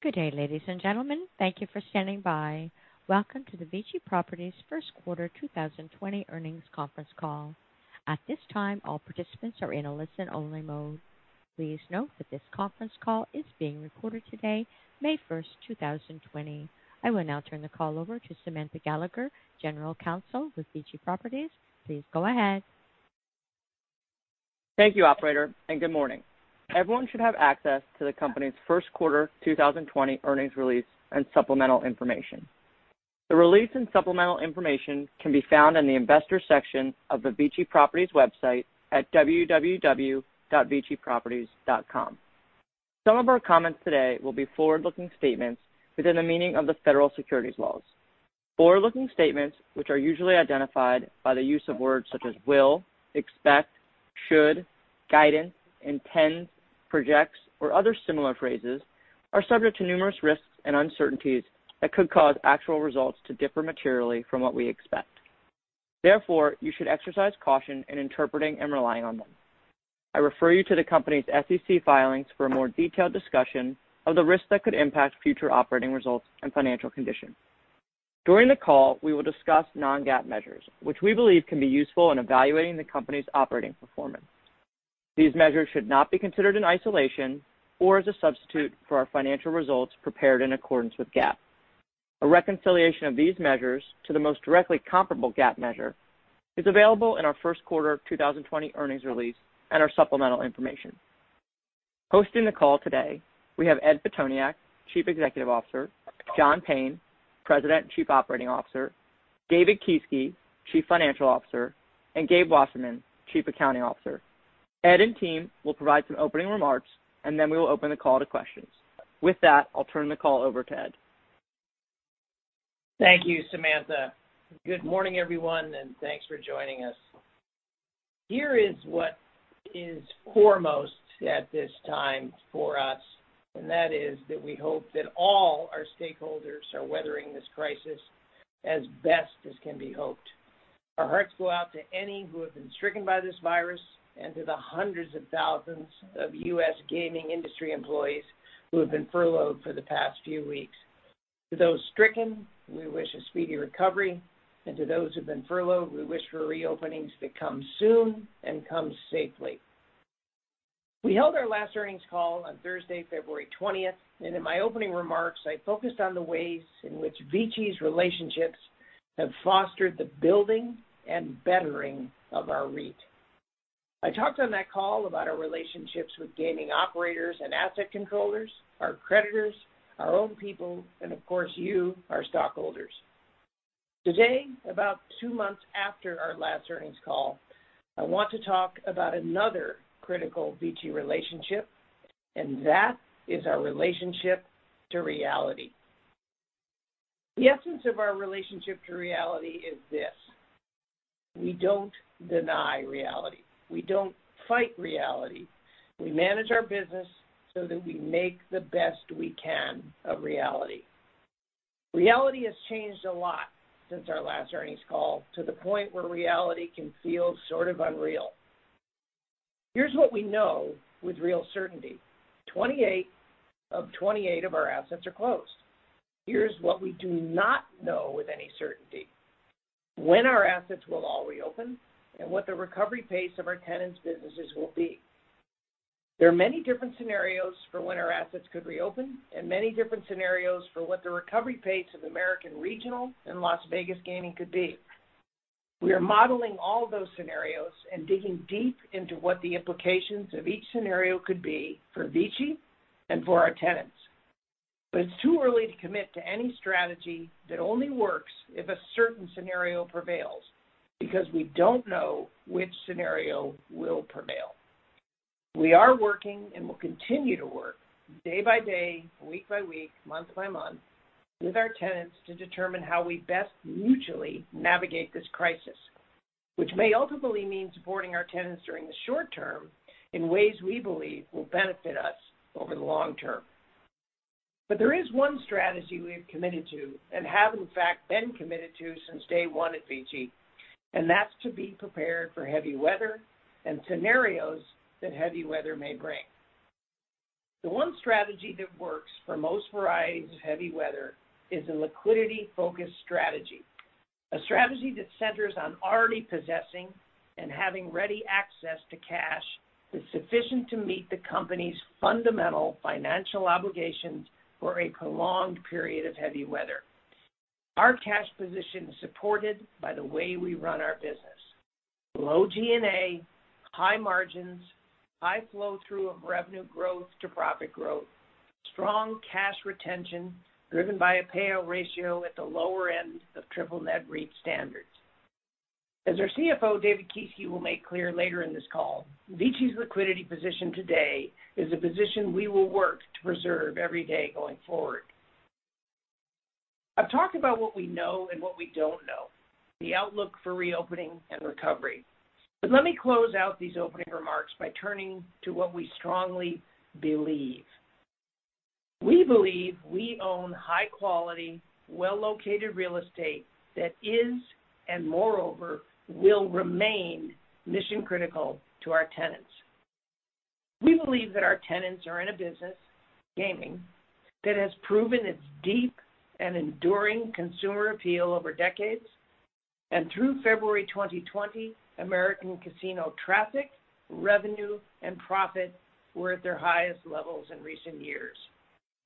Good day, ladies and gentlemen. Thank you for standing by. Welcome to the VICI Properties First Quarter 2020 earnings conference call. At this time, all participants are in a listen-only mode. Please note that this conference call is being recorded today, May 1st, 2020. I will now turn the call over to Samantha Gallagher, General Counsel with VICI Properties. Please go ahead. Thank you, operator, and good morning. Everyone should have access to the company's first quarter 2020 earnings release and supplemental information. The release and supplemental information can be found in the investors section of the VICI Properties website at www.viciproperties.com. Some of our comments today will be forward-looking statements within the meaning of the federal securities laws. Forward-looking statements, which are usually identified by the use of words such as will, expect, should, guidance, intends, projects, or other similar phrases, are subject to numerous risks and uncertainties that could cause actual results to differ materially from what we expect. Therefore, you should exercise caution in interpreting and relying on them. I refer you to the company's SEC filings for a more detailed discussion of the risks that could impact future operating results and financial condition. During the call, we will discuss non-GAAP measures, which we believe can be useful in evaluating the company's operating performance. These measures should not be considered in isolation or as a substitute for our financial results prepared in accordance with GAAP. A reconciliation of these measures to the most directly comparable GAAP measure is available in our first quarter 2020 earnings release and our supplemental information. Hosting the call today, we have Ed Pitoniak, Chief Executive Officer, John Payne, President and Chief Operating Officer, David Kieske, Chief Financial Officer and Gabriel Wasserman, Chief Accounting Officer. Ed and team will provide some opening remarks, and then we will open the call to questions. With that, I'll turn the call over to Ed. Thank you, Samantha. Good morning, everyone. Thanks for joining us. Here is what is foremost at this time for us. That is that we hope that all our stakeholders are weathering this crisis as best as can be hoped. Our hearts go out to any who have been stricken by this virus and to the hundreds of thousands of U.S. gaming industry employees who have been furloughed for the past few weeks. To those stricken, we wish a speedy recovery. To those who've been furloughed, we wish for reopenings that come soon and come safely. We held our last earnings call on Thursday, February 20th. In my opening remarks, I focused on the ways in which VICI's relationships have fostered the building and bettering of our REIT. I talked on that call about our relationships with gaming operators and asset controllers, our creditors, our own people, and of course, you, our stockholders. Today, about two months after our last earnings call, I want to talk about another critical VICI relationship. That is our relationship to reality. The essence of our relationship to reality is this: We don't deny reality. We don't fight reality. We manage our business so that we make the best we can of reality. Reality has changed a lot since our last earnings call to the point where reality can feel sort of unreal. Here's what we know with real certainty. 28 of our assets are closed. Here's what we do not know with any certainty: When our assets will all reopen and what the recovery pace of our tenants' businesses will be. There are many different scenarios for when our assets could reopen and many different scenarios for what the recovery pace of American regional and Las Vegas gaming could be. We are modeling all those scenarios and digging deep into what the implications of each scenario could be for VICI and for our tenants. It's too early to commit to any strategy that only works if a certain scenario prevails, because we don't know which scenario will prevail. We are working and will continue to work day by day, week by week, month by month with our tenants to determine how we best mutually navigate this crisis, which may ultimately mean supporting our tenants during the short term in ways we believe will benefit us over the long term. There is one strategy we've committed to and have in fact been committed to since day one at VICI, that's to be prepared for heavy weather and scenarios that heavy weather may bring. The one strategy that works for most varieties of heavy weather is a liquidity-focused strategy, a strategy that centers on already possessing and having ready access to cash that's sufficient to meet the company's fundamental financial obligations for a prolonged period of heavy weather. Our cash position is supported by the way we run our business. Low G&A, high margins, high flow through of revenue growth to profit growth, strong cash retention driven by a payout ratio at the lower end of triple net REIT standards. As our CFO, David Kieske, will make clear later in this call, VICI's liquidity position today is a position we will work to preserve every day going forward. I've talked about what we know and what we don't know, the outlook for reopening and recovery. Let me close out these opening remarks by turning to what we strongly believe. We believe we own high-quality, well-located real estate that is, and moreover, will remain mission-critical to our tenants. We believe that our tenants are in a business, gaming, that has proven its deep and enduring consumer appeal over decades. Through February 2020, American casino traffic, revenue, and profit were at their highest levels in recent years.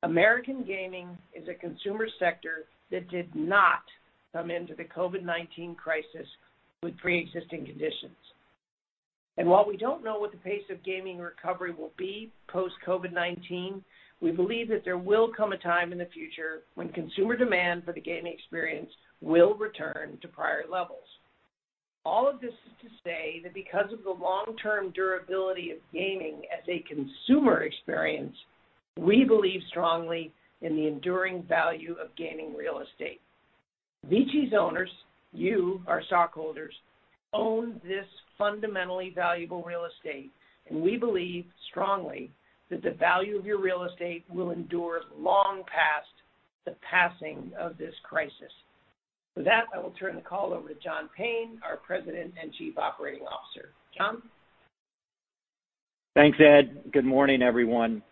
American gaming is a consumer sector that did not come into the COVID-19 crisis with pre-existing conditions. While we don't know what the pace of gaming recovery will be post-COVID-19, we believe that there will come a time in the future when consumer demand for the gaming experience will return to prior levels. All of this is to say that because of the long-term durability of gaming as a consumer experience, we believe strongly in the enduring value of gaming real estate. VICI Properties' owners, you, our stockholders, own this fundamentally valuable real estate, and we believe strongly that the value of your real estate will endure long past the passing of this crisis. With that, I will turn the call over to John Payne, our President and Chief Operating Officer. John? Thanks, Ed. Good morning, everyone.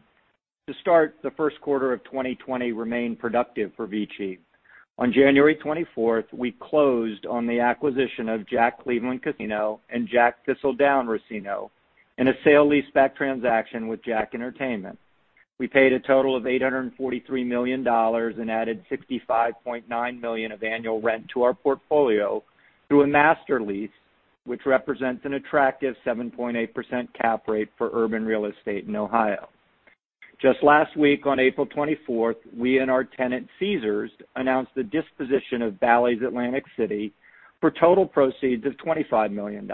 To start, the first quarter of 2020 remained productive for VICI. On January 24th, we closed on the acquisition of JACK Cleveland Casino and JACK Thistledown Racino in a sale leaseback transaction with JACK Entertainment. We paid a total of $843 million and added $65.9 million of annual rent to our portfolio through a master lease, which represents an attractive 7.8% cap rate for urban real estate in Ohio. Just last week, on April 24th, we and our tenant, Caesars, announced the disposition of Bally's Atlantic City for total proceeds of $25 million.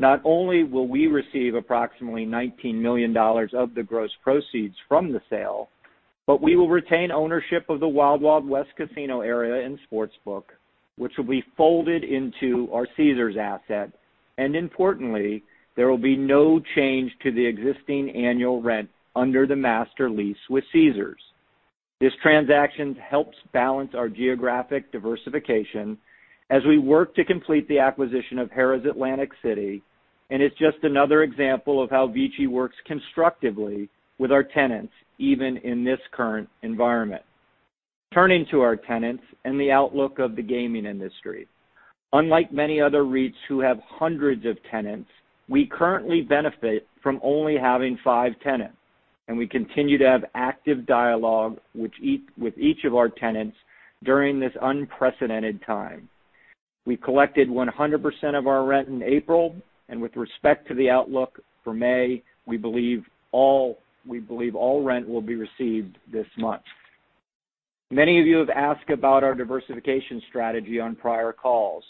Not only will we receive approximately $19 million of the gross proceeds from the sale, but we will retain ownership of the Wild Wild West Casino area and sportsbook, which will be folded into our Caesars asset. Importantly, there will be no change to the existing annual rent under the master lease with Caesars. This transaction helps balance our geographic diversification as we work to complete the acquisition of Harrah's Atlantic City, and it's just another example of how VICI works constructively with our tenants, even in this current environment. Turning to our tenants and the outlook of the gaming industry. Unlike many other REITs who have hundreds of tenants, we currently benefit from only having five tenants, and we continue to have active dialogue with each of our tenants during this unprecedented time. We collected 100% of our rent in April, and with respect to the outlook for May, we believe all rent will be received this month. Many of you have asked about our diversification strategy on prior calls,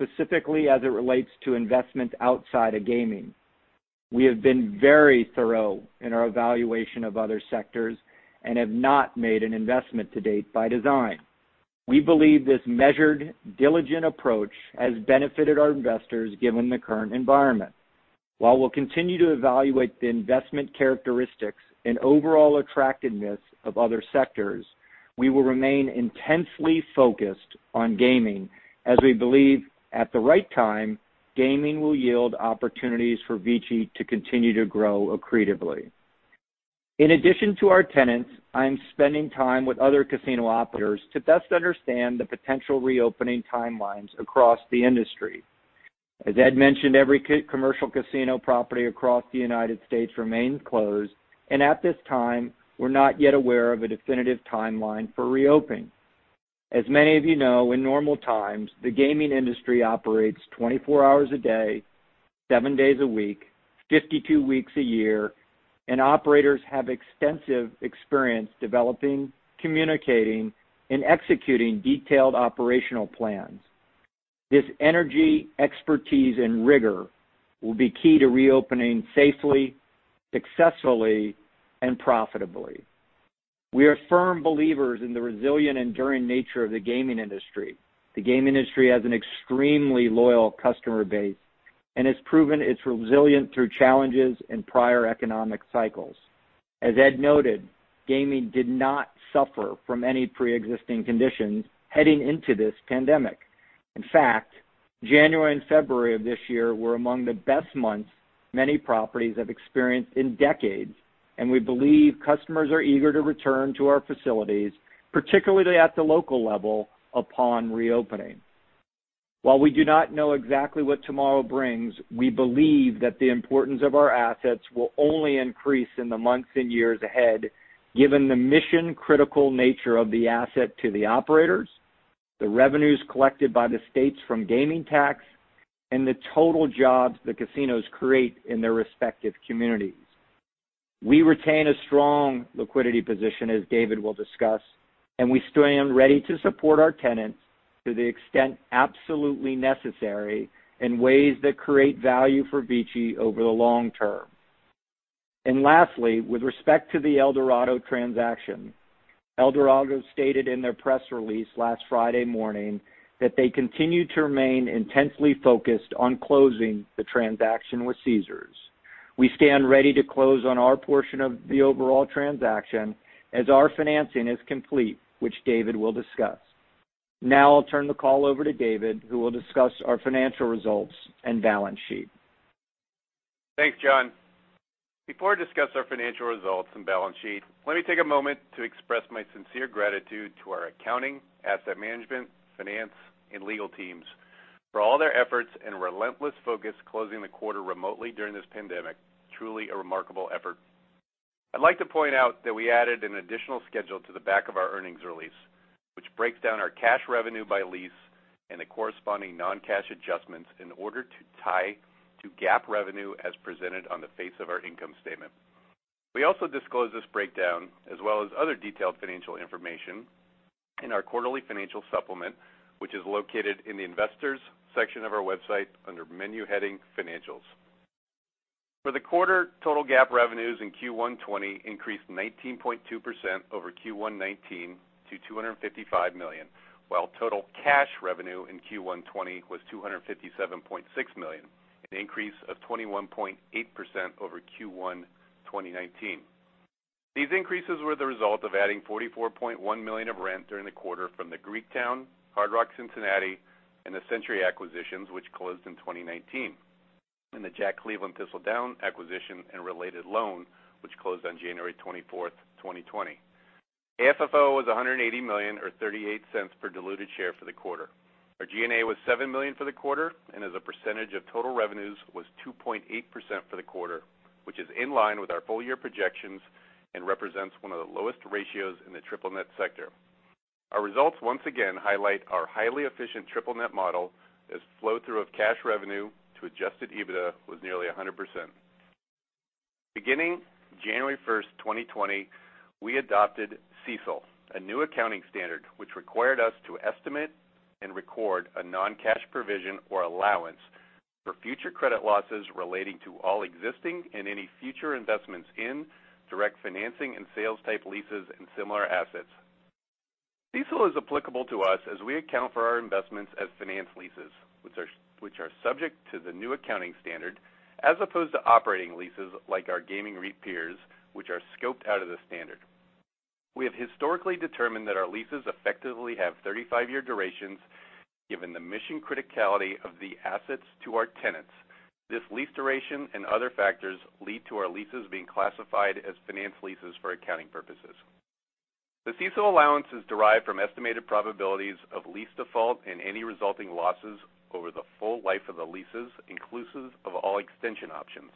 specifically as it relates to investments outside of gaming. We have been very thorough in our evaluation of other sectors and have not made an investment to date by design. We believe this measured, diligent approach has benefited our investors given the current environment. While we'll continue to evaluate the investment characteristics and overall attractiveness of other sectors, we will remain intensely focused on gaming as we believe, at the right time, gaming will yield opportunities for VICI to continue to grow accretively. In addition to our tenants, I am spending time with other casino operators to best understand the potential reopening timelines across the industry. As Ed mentioned, every commercial casino property across the U.S. remains closed, and at this time, we're not yet aware of a definitive timeline for reopening. As many of you know, in normal times, the gaming industry operates 24 hours a day, seven days a week, 52 weeks a year. Operators have extensive experience developing, communicating, and executing detailed operational plans. This energy, expertise, and rigor will be key to reopening safely, successfully, and profitably. We are firm believers in the resilient, enduring nature of the gaming industry. The gaming industry has an extremely loyal customer base and has proven it's resilient through challenges in prior economic cycles. As Ed noted, gaming did not suffer from any preexisting conditions heading into this pandemic. In fact, January and February of this year were among the best months many properties have experienced in decades, and we believe customers are eager to return to our facilities, particularly at the local level, upon reopening. While we do not know exactly what tomorrow brings, we believe that the importance of our assets will only increase in the months and years ahead, given the mission-critical nature of the asset to the operators, the revenues collected by the states from gaming tax, and the total jobs the casinos create in their respective communities. We retain a strong liquidity position, as David will discuss, and we stand ready to support our tenants to the extent absolutely necessary in ways that create value for VICI over the long term. Lastly, with respect to the Eldorado transaction. Eldorado stated in their press release last Friday morning that they continue to remain intensely focused on closing the transaction with Caesars. We stand ready to close on our portion of the overall transaction as our financing is complete, which David will discuss. Now I'll turn the call over to David, who will discuss our financial results and balance sheet. Thanks, John. Before I discuss our financial results and balance sheet, let me take a moment to express my sincere gratitude to our accounting, asset management, finance, and legal teams for all their efforts and relentless focus closing the quarter remotely during this pandemic. Truly a remarkable effort. I'd like to point out that we added an additional schedule to the back of our earnings release, which breaks down our cash revenue by lease and the corresponding non-cash adjustments in order to tie to GAAP revenue as presented on the face of our income statement. We also disclose this breakdown, as well as other detailed financial information in our quarterly financial supplement, which is located in the investors section of our website under menu heading Financials. For the quarter, total GAAP revenues in Q1 2020 increased 19.2% over Q1 2019 to $255 million, while total cash revenue in Q1 2020 was $257.6 million, an increase of 21.8% over Q1 2019. These increases were the result of adding $44.1 million of rent during the quarter from the Greektown, Hard Rock Cincinnati, and the Century acquisitions, which closed in 2019, and the JACK Cleveland Thistledown acquisition and related loan, which closed on January 24th, 2020. AFFO was $180 million, or $0.38 per diluted share for the quarter. Our G&A was $7 million for the quarter, and as a percentage of total revenues was 2.8% for the quarter, which is in line with our full year projections and represents one of the lowest ratios in the triple net sector. Our results once again highlight our highly efficient triple net model as flow-through of cash revenue to adjusted EBITDA was nearly 100%. Beginning January 1st, 2020, we adopted CECL, a new accounting standard which required us to estimate and record a non-cash provision or allowance for future credit losses relating to all existing and any future investments in direct financing and sales type leases and similar assets. CECL is applicable to us as we account for our investments as finance leases, which are subject to the new accounting standard as opposed to operating leases like our gaming REIT peers, which are scoped out of the standard. We have historically determined that our leases effectively have 35-year durations, given the mission criticality of the assets to our tenants. This lease duration and other factors lead to our leases being classified as finance leases for accounting purposes. The CECL allowance is derived from estimated probabilities of lease default and any resulting losses over the full life of the leases, inclusive of all extension options.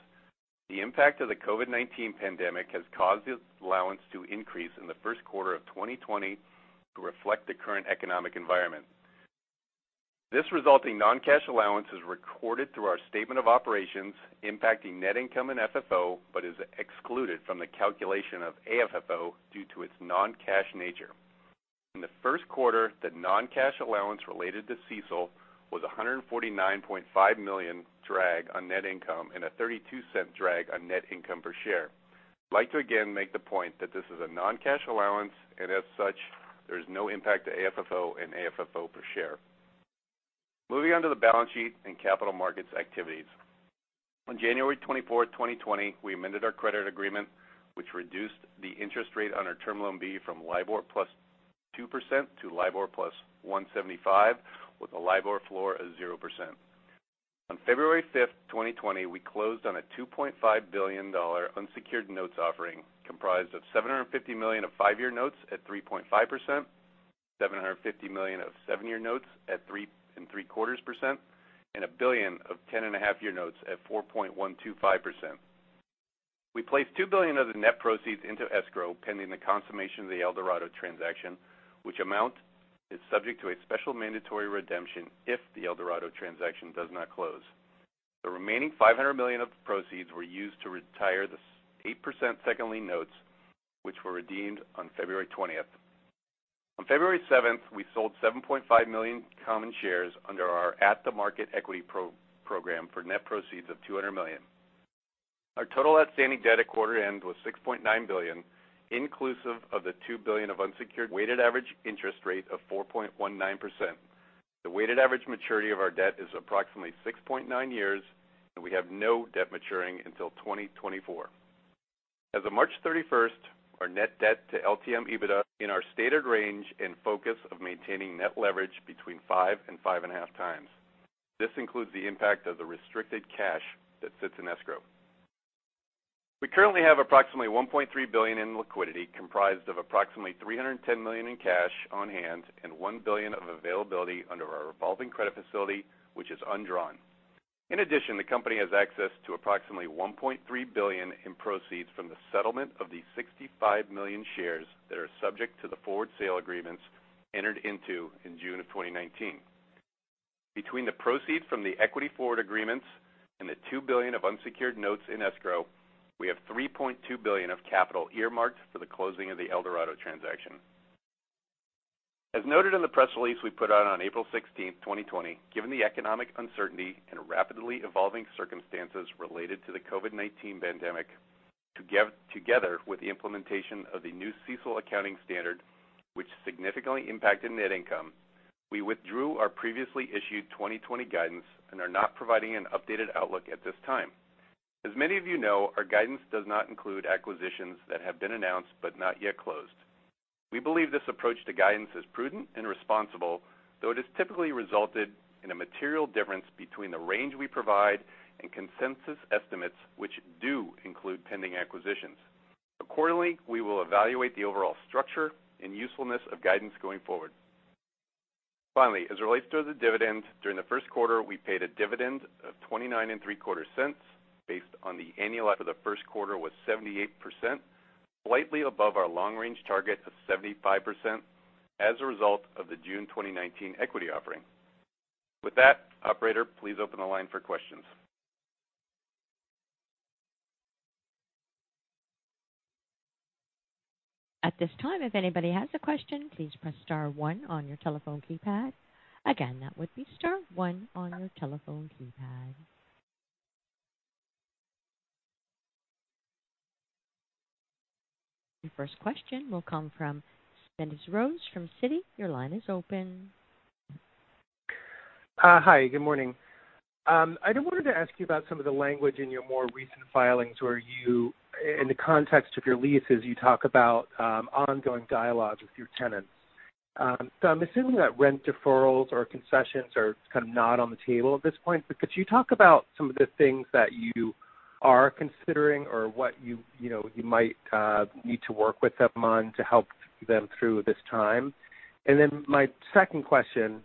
The impact of the COVID-19 pandemic has caused this allowance to increase in the first quarter of 2020 to reflect the current economic environment. This resulting non-cash allowance is recorded through our statement of operations impacting net income and FFO, but is excluded from the calculation of AFFO due to its non-cash nature. In the first quarter, the non-cash allowance related to CECL was $149.5 million drag on net income and a $0.32 drag on net income per share. I'd like to again make the point that this is a non-cash allowance, and as such, there is no impact to AFFO and AFFO per share. Moving on to the balance sheet and capital markets activities. On January 24th, 2020, we amended our credit agreement, which reduced the interest rate on our term loan B from LIBOR plus 2% to LIBOR plus 1.75%, with a LIBOR floor of 0%. On February 5th, 2020, we closed on a $2.5 billion unsecured notes offering, comprised of $750 million of five-year notes at 3.5%, $750 million of seven-year notes at 3.75%, and $1 billion of 10.5-year notes at 4.125%. We placed $2 billion of the net proceeds into escrow pending the consummation of the Eldorado transaction, which amount is subject to a special mandatory redemption if the Eldorado transaction does not close. The remaining $500 million of proceeds were used to retire the 8% second lien notes, which were redeemed on February 20th. On February 7th, we sold 7.5 million common shares under our at-the-market equity program for net proceeds of $200 million. Our total outstanding debt at quarter end was $6.9 billion, inclusive of the $2 billion of unsecured weighted average interest rate of 4.19%. The weighted average maturity of our debt is approximately 6.9 years, and we have no debt maturing until 2024. As of March 31st, our net debt to LTM EBITDA in our stated range and focus of maintaining net leverage between 5 and 5.5x. This includes the impact of the restricted cash that sits in escrow. We currently have approximately $1.3 billion in liquidity, comprised of approximately $310 million in cash on hand and $1 billion of availability under our revolving credit facility, which is undrawn. In addition, the company has access to approximately $1.3 billion in proceeds from the settlement of the 65 million shares that are subject to the forward sale agreements entered into in June of 2019. Between the proceeds from the equity forward agreements and the $2 billion of unsecured notes in escrow, we have $3.2 billion of capital earmarked for the closing of the Eldorado transaction. As noted in the press release we put out on April 16, 2020, given the economic uncertainty and rapidly evolving circumstances related to the COVID-19 pandemic, together with the implementation of the new CECL accounting standard, which significantly impacted net income, we withdrew our previously issued 2020 guidance and are not providing an updated outlook at this time. As many of you know, our guidance does not include acquisitions that have been announced but not yet closed. We believe this approach to guidance is prudent and responsible, though it has typically resulted in a material difference between the range we provide and consensus estimates, which do include pending acquisitions. Accordingly, we will evaluate the overall structure and usefulness of guidance going forward. Finally, as it relates to the dividend, during the first quarter, we paid a dividend of $0.2975 based on the annual for the first quarter was 78%, slightly above our long range target of 75% as a result of the June 2019 equity offering. With that, operator, please open the line for questions. At this time, if anybody has a question, please press star one on your telephone keypad. Again, that would be star one on your telephone keypad. Your first question will come from Smedes Rose from Citi. Your line is open. Hi. Good morning. I wanted to ask you about some of the language in your more recent filings where you, in the context of your leases, you talk about ongoing dialogues with your tenants. I'm assuming that rent deferrals or concessions are kind of not on the table at this point. Could you talk about some of the things that you are considering or what you might need to work with them on to help them through this time? My second question,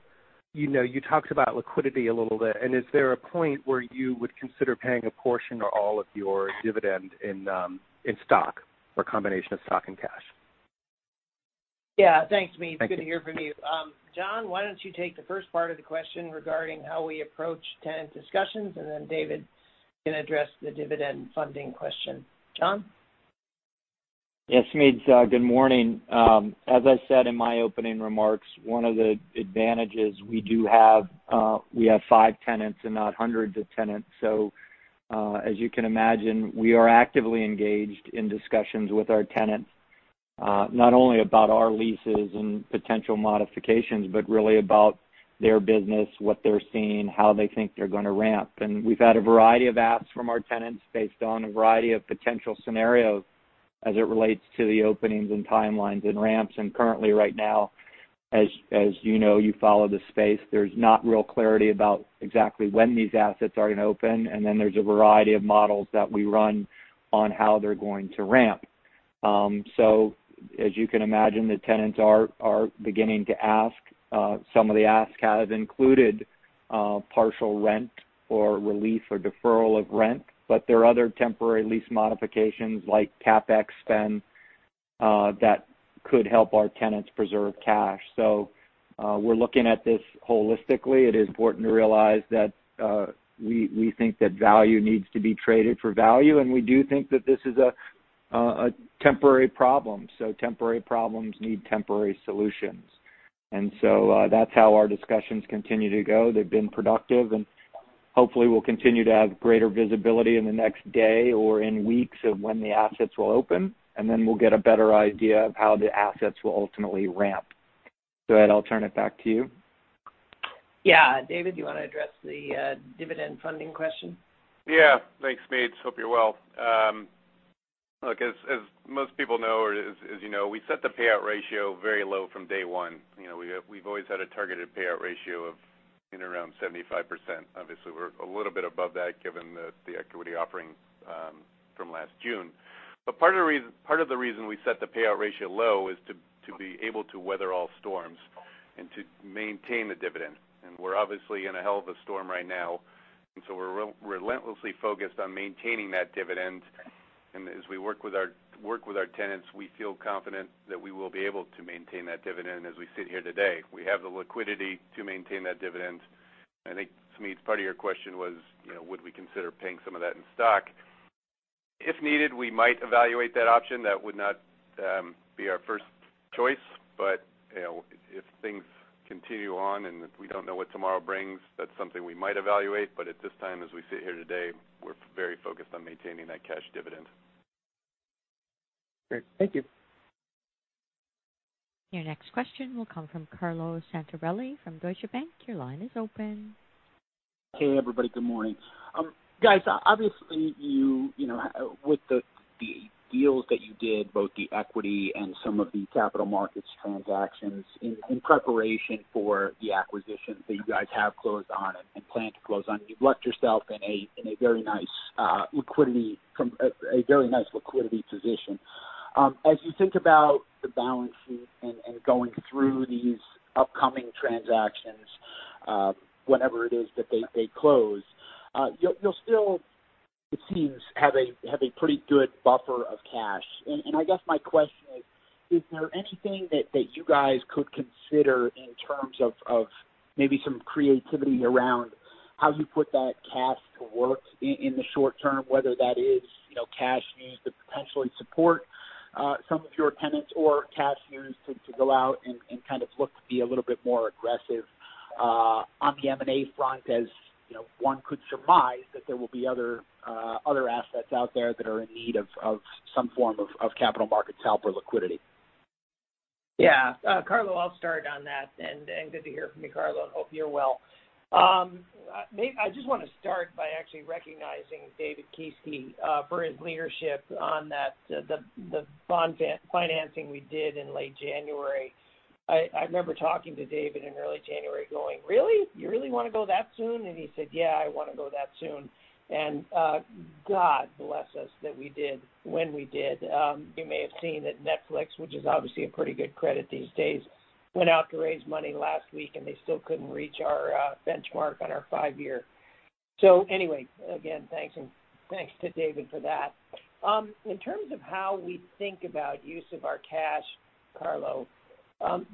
you talked about liquidity a little bit, and is there a point where you would consider paying a portion or all of your dividend in stock or combination of stock and cash? Yeah. Thanks, Smedes. Thank you. It's good to hear from you. John, why don't you take the first part of the question regarding how we approach tenant discussions, and then David can address the dividend funding question. John? Yes, Smedes. Good morning. As I said in my opening remarks, one of the advantages we do have, we have five tenants and not hundreds of tenants. As you can imagine, we are actively engaged in discussions with our tenants, not only about our leases and potential modifications, but really about their business, what they're seeing, how they think they're going to ramp. We've had a variety of asks from our tenants based on a variety of potential scenarios as it relates to the openings and timelines and ramps. Currently, right now, as you know, you follow the space, there's not real clarity about exactly when these assets are going to open, then there's a variety of models that we run on how they're going to ramp. As you can imagine, the tenants are beginning to ask. Some of the ask has included partial rent or relief or deferral of rent, but there are other temporary lease modifications like CapEx spend that could help our tenants preserve cash. We're looking at this holistically. It is important to realize that we think that value needs to be traded for value, and we do think that this is a temporary problem. Temporary problems need temporary solutions. That's how our discussions continue to go. They've been productive, and hopefully we'll continue to have greater visibility in the next day or in weeks of when the assets will open, and then we'll get a better idea of how the assets will ultimately ramp. Go ahead, I'll turn it back to you. Yeah. David, you want to address the dividend funding question? Yeah. Thanks, Smedes. Hope you're well. Look, as most people know, or as you know, we set the payout ratio very low from day one. We've always had a targeted payout ratio of in around 75%. Obviously, we're a little bit above that given the equity offering from last June. Part of the reason we set the payout ratio low is to be able to weather all storms and to maintain the dividend. We're obviously in a hell of a storm right now, we're relentlessly focused on maintaining that dividend. As we work with our tenants, we feel confident that we will be able to maintain that dividend as we sit here today. We have the liquidity to maintain that dividend. I think, Smedes, part of your question was would we consider paying some of that in stock. If needed, we might evaluate that option. That would not be our first choice, but if things continue on and if we don't know what tomorrow brings, that's something we might evaluate. At this time, as we sit here today, we're very focused on maintaining that cash dividend. Great. Thank you. Your next question will come from Carlo Santarelli from Deutsche Bank. Your line is open. Hey, everybody. Good morning. Guys, obviously, with the deals that you did, both the equity and some of the capital markets transactions in preparation for the acquisitions that you guys have closed on and plan to close on, you've left yourself in a very nice liquidity position. As you think about the balance sheet and going through these upcoming transactions, whenever it is that they close, you'll still, it seems, have a pretty good buffer of cash. I guess my question is there anything that you guys could consider in terms of maybe some creativity around how you put that cash to work in the short term, whether that is cash used to potentially support some of your tenants or cash used to go out and look to be a little bit more aggressive on the M&A front as one could surmise that there will be other assets out there that are in need of some form of capital markets help or liquidity. Yeah. Carlo, I'll start on that. Good to hear from you, Carlo. Hope you're well. I just want to start by actually recognizing David Kieske for his leadership on the bond financing we did in late January. I remember talking to David in early January going, "Really? You really want to go that soon?" He said, "Yeah, I want to go that soon." God bless us that we did when we did. You may have seen that Netflix, which is obviously a pretty good credit these days, went out to raise money last week, and they still couldn't reach our benchmark on our five-year. Anyway, again, thanks, and thanks to David for that. In terms of how we think about use of our cash, Carlo,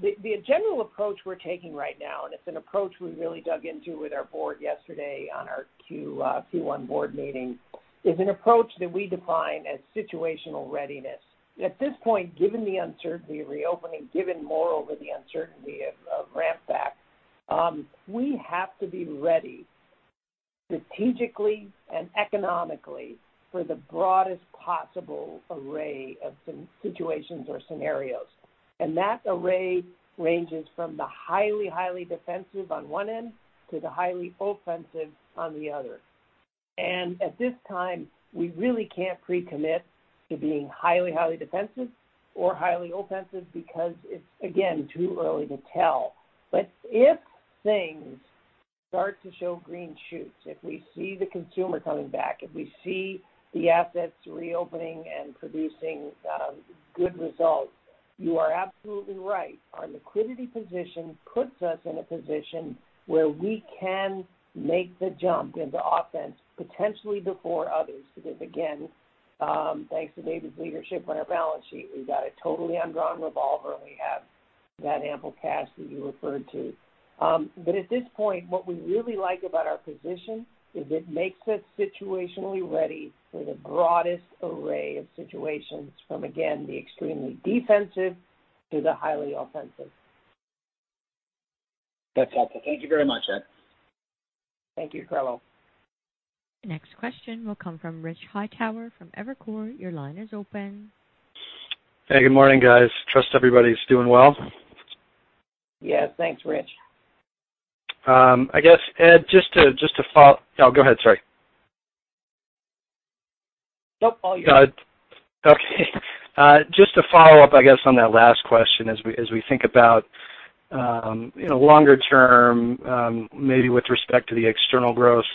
the general approach we're taking right now, and it's an approach we really dug into with our Board yesterday on our Q1 Board meeting, is an approach that we define as situational readiness. At this point, given the uncertainty of reopening, given moreover the uncertainty of ramp back, we have to be ready strategically and economically for the broadest possible array of situations or scenarios. That array ranges from the highly defensive on one end to the highly offensive on the other. If things start to show green shoots, if we see the consumer coming back, if we see the assets reopening and producing good results, you are absolutely right. Our liquidity position puts us in a position where we can make the jump into offense potentially before others, because again, thanks to David's leadership on our balance sheet, we've got a totally undrawn revolver, and we have that ample cash that you referred to. At this point, what we really like about our position is it makes us situationally ready for the broadest array of situations from, again, the extremely defensive to the highly offensive. That's helpful. Thank you very much, Ed. Thank you, Carlo. Next question will come from Richard Hightower from Evercore. Your line is open. Hey, good morning, guys. Trust everybody's doing well. Yeah. Thanks, Rich. I guess, Ed, just to follow Oh, go ahead. Sorry. Nope, all you. Okay. Just to follow up, I guess, on that last question as we think about longer term, maybe with respect to the external growth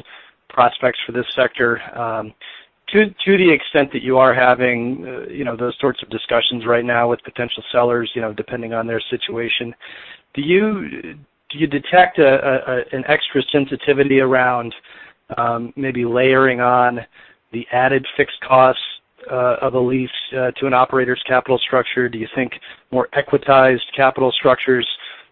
prospects for this sector. To the extent that you are having those sorts of discussions right now with potential sellers, depending on their situation, do you detect an extra sensitivity around maybe layering on the added fixed costs of a lease to an operator's capital structure? Do you think more equitized capital structures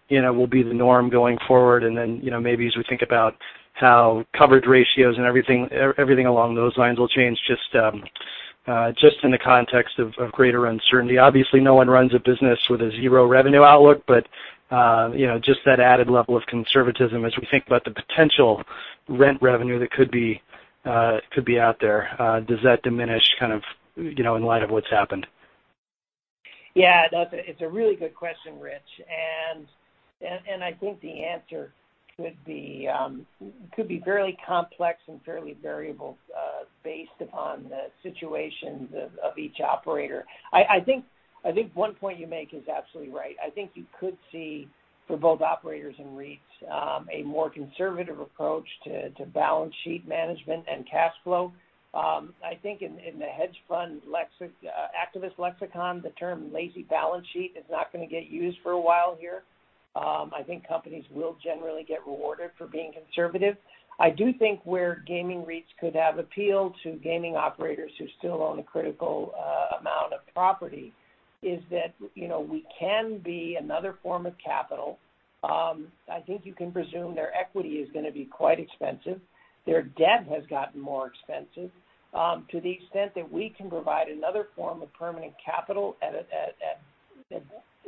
will be the norm going forward? Then maybe as we think about how coverage ratios and everything along those lines will change, just in the context of greater uncertainty. Obviously, no one runs a business with a zero revenue outlook, but just that added level of conservatism as we think about the potential rent revenue that could be out there. Does that diminish kind of in light of what's happened? Yeah, it's a really good question, Rich. I think the answer could be fairly complex and fairly variable based upon the situations of each operator. I think one point you make is absolutely right. I think you could see for both operators and REITs a more conservative approach to balance sheet management and cash flow. I think in the hedge fund activist lexicon, the term lazy balance sheet is not going to get used for a while here. I think companies will generally get rewarded for being conservative. I do think where gaming REITs could have appeal to gaming operators who still own a critical amount of property is that we can be another form of capital. I think you can presume their equity is going to be quite expensive. Their debt has gotten more expensive. To the extent that we can provide another form of permanent capital at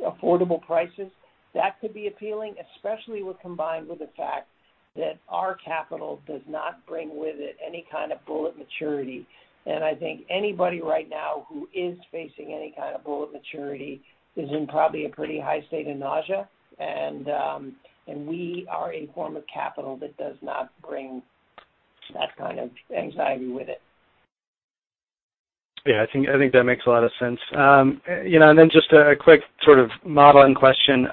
affordable prices, that could be appealing, especially when combined with the fact that our capital does not bring with it any kind of bullet maturity. I think anybody right now who is facing any kind of bullet maturity is in probably a pretty high state of nausea, and we are a form of capital that does not bring that kind of anxiety with it. Yeah, I think that makes a lot of sense. Just a quick sort of modeling question.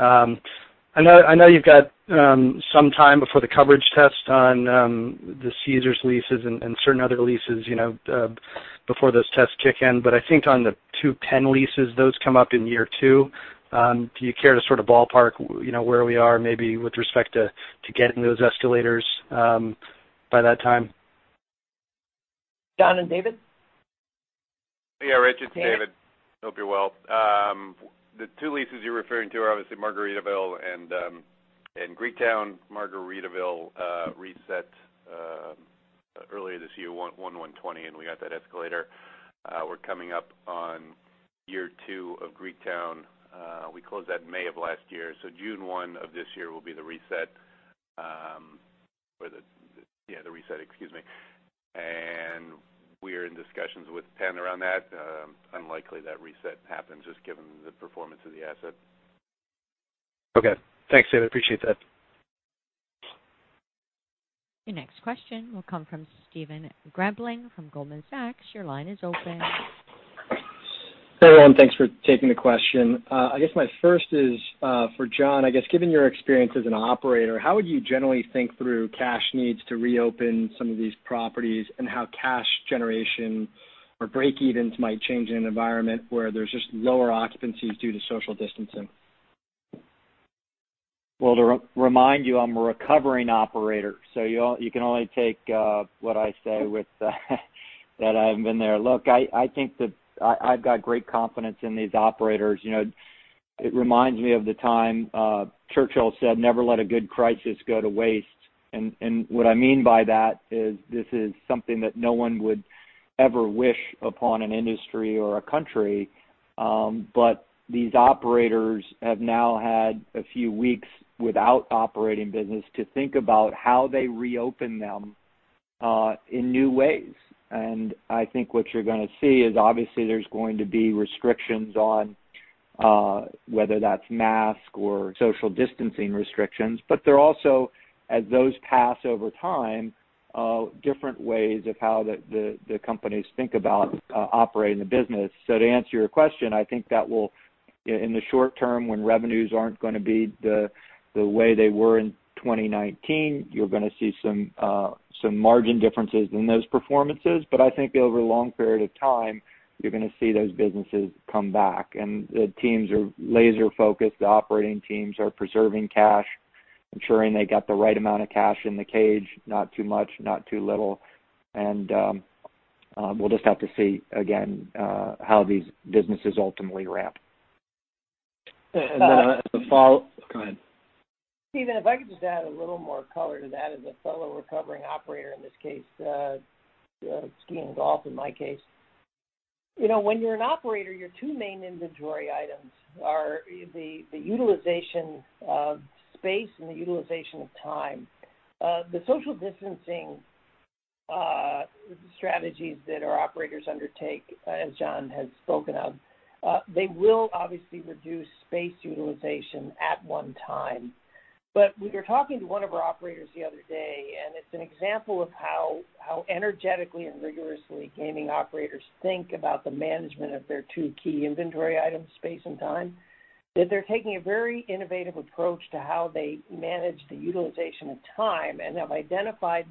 I know you've got some time before the coverage test on the Caesars leases and certain other leases before those tests kick in, but I think on the two Penn leases, those come up in year two. Do you care to sort of ballpark where we are maybe with respect to getting those escalators by that time? John and David? Yeah, Rich, it's David. Yeah. Hope you're well. The two leases you're referring to are obviously Margaritaville and Greektown. Margaritaville reset earlier this year, $120, we got that escalator. We're coming up on year two of Greektown. We closed that in May of last year, so June one of this year will be the reset. We're in discussions with Penn around that. Unlikely that reset happens, just given the performance of the asset. Okay. Thanks, David. Appreciate that. Your next question will come from Stephen Grambling from Goldman Sachs. Your line is open. Hey, everyone. Thanks for taking the question. I guess my first is for John. I guess, given your experience as an operator, how would you generally think through cash needs to reopen some of these properties and how cash generation or breakevens might change in an environment where there's just lower occupancies due to social distancing? To remind you, I'm a recovering operator, so you can only take what I say with that I haven't been there. I've got great confidence in these operators. It reminds me of the time Churchill said, "Never let a good crisis go to waste." What I mean by that is this is something that no one would ever wish upon an industry or a country. These operators have now had a few weeks without operating business to think about how they reopen them in new ways. I think what you're going to see is obviously there's going to be restrictions on whether that's mask or social distancing restrictions. There are also, as those pass over time, different ways of how the companies think about operating the business. To answer your question, I think that will, in the short term, when revenues aren't going to be the way they were in 2019, you're going to see some margin differences in those performances. I think over a long period of time, you're going to see those businesses come back. The teams are laser-focused. The operating teams are preserving cash, ensuring they got the right amount of cash in the cage, not too much, not too little. We'll just have to see, again, how these businesses ultimately ramp. Go ahead. Stephen, if I could just add a little more color to that as a fellow recovering operator in this case, skiing, golf in my case. When you're an operator, your two main inventory items are the utilization of space and the utilization of time. The social distancing strategies that our operators undertake, as John has spoken of, they will obviously reduce space utilization at one time. We were talking to one of our operators the other day, and it's an example of how energetically and rigorously gaming operators think about the management of their two key inventory items, space and time, that they're taking a very innovative approach to how they manage the utilization of time and have identified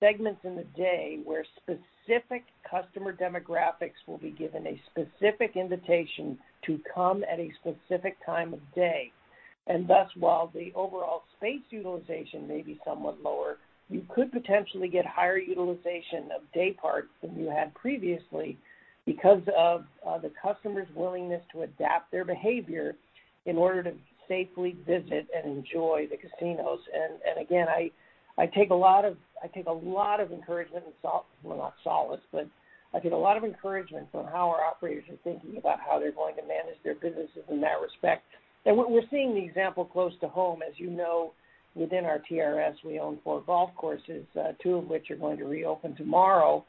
segments in the day where specific customer demographics will be given a specific invitation to come at a specific time of day. Thus, while the overall space utilization may be somewhat lower, you could potentially get higher utilization of day parts than you had previously because of the customer's willingness to adapt their behavior in order to safely visit and enjoy the casinos. Again, I take a lot of encouragement and well, not solace, but I take a lot of encouragement from how our operators are thinking about how they're going to manage their businesses in that respect. We're seeing the example close to home. As you know, within our TRS, we own four golf courses, two of which are going to reopen tomorrow.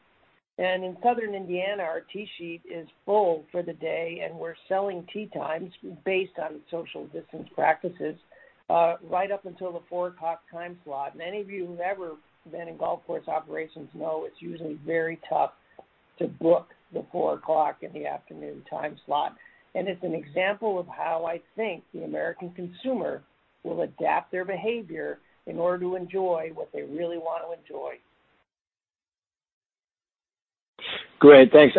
In Southern Indiana, our tee sheet is full for the day, and we're selling tee times based on social distance practices right up until the 4 o'clock time slot. Many of you who've ever been in golf course operations know it's usually very tough to book the 4 o'clock in the afternoon time slot. It's an example of how I think the American consumer will adapt their behavior in order to enjoy what they really want to enjoy. Great. Thanks.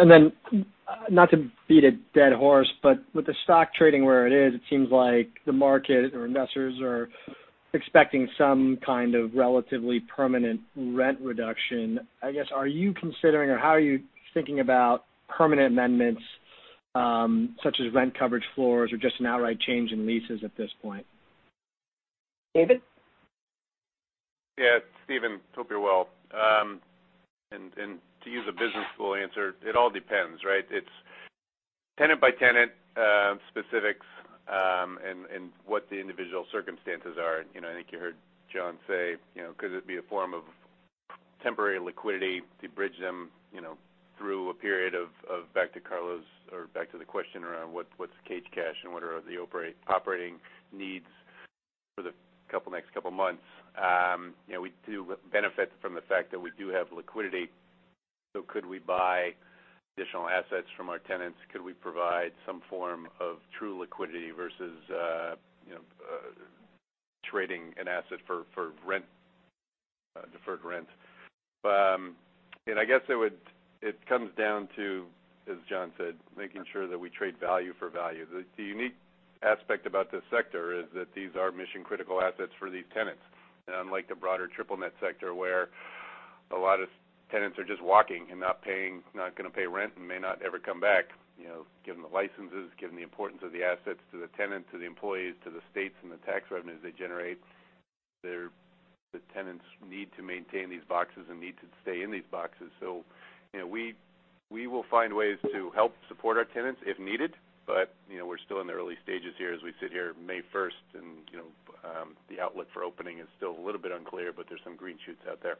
Not to beat a dead horse, but with the stock trading where it is, it seems like the market or investors are expecting some kind of relatively permanent rent reduction. I guess, are you considering or how are you thinking about permanent amendments such as rent coverage floors or just an outright change in leases at this point? David? Yeah. Stephen, hope you're well. To use a business school answer, it all depends, right? It's tenant-by-tenant specifics and what the individual circumstances are. I think you heard John say, could it be a form of temporary liquidity to bridge them through a period of back to Carlo or back to the question around what's cage cash and what are the operating needs for the next couple of months? We do benefit from the fact that we do have liquidity. Could we buy additional assets from our tenants? Could we provide some form of true liquidity versus trading an asset for rent, deferred rent? I guess it comes down to, as John said, making sure that we trade value for value. The unique aspect about this sector is that these are mission-critical assets for these tenants. Unlike the broader triple net sector where a lot of tenants are just walking and not going to pay rent and may not ever come back. Given the licenses, given the importance of the assets to the tenant, to the employees, to the states, and the tax revenues they generate, the tenants need to maintain these boxes and need to stay in these boxes. We will find ways to help support our tenants if needed, but we're still in the early stages here as we sit here May 1st, and the outlook for opening is still a little bit unclear, but there's some green shoots out there.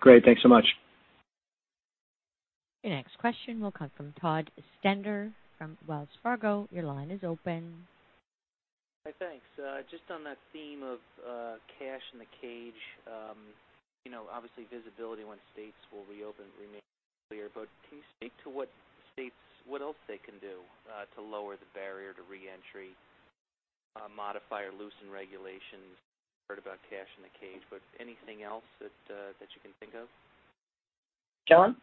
Great. Thanks so much. Your next question will come from Todd Stender from Wells Fargo. Your line is open. Hi, thanks. Just on that theme of cash in the cage. Obviously, visibility when states will reopen remains clear. Can you speak to what else they can do to lower the barrier to re-entry, modify or loosen regulations? Heard about cash in the cage. Anything else that you can think of? John?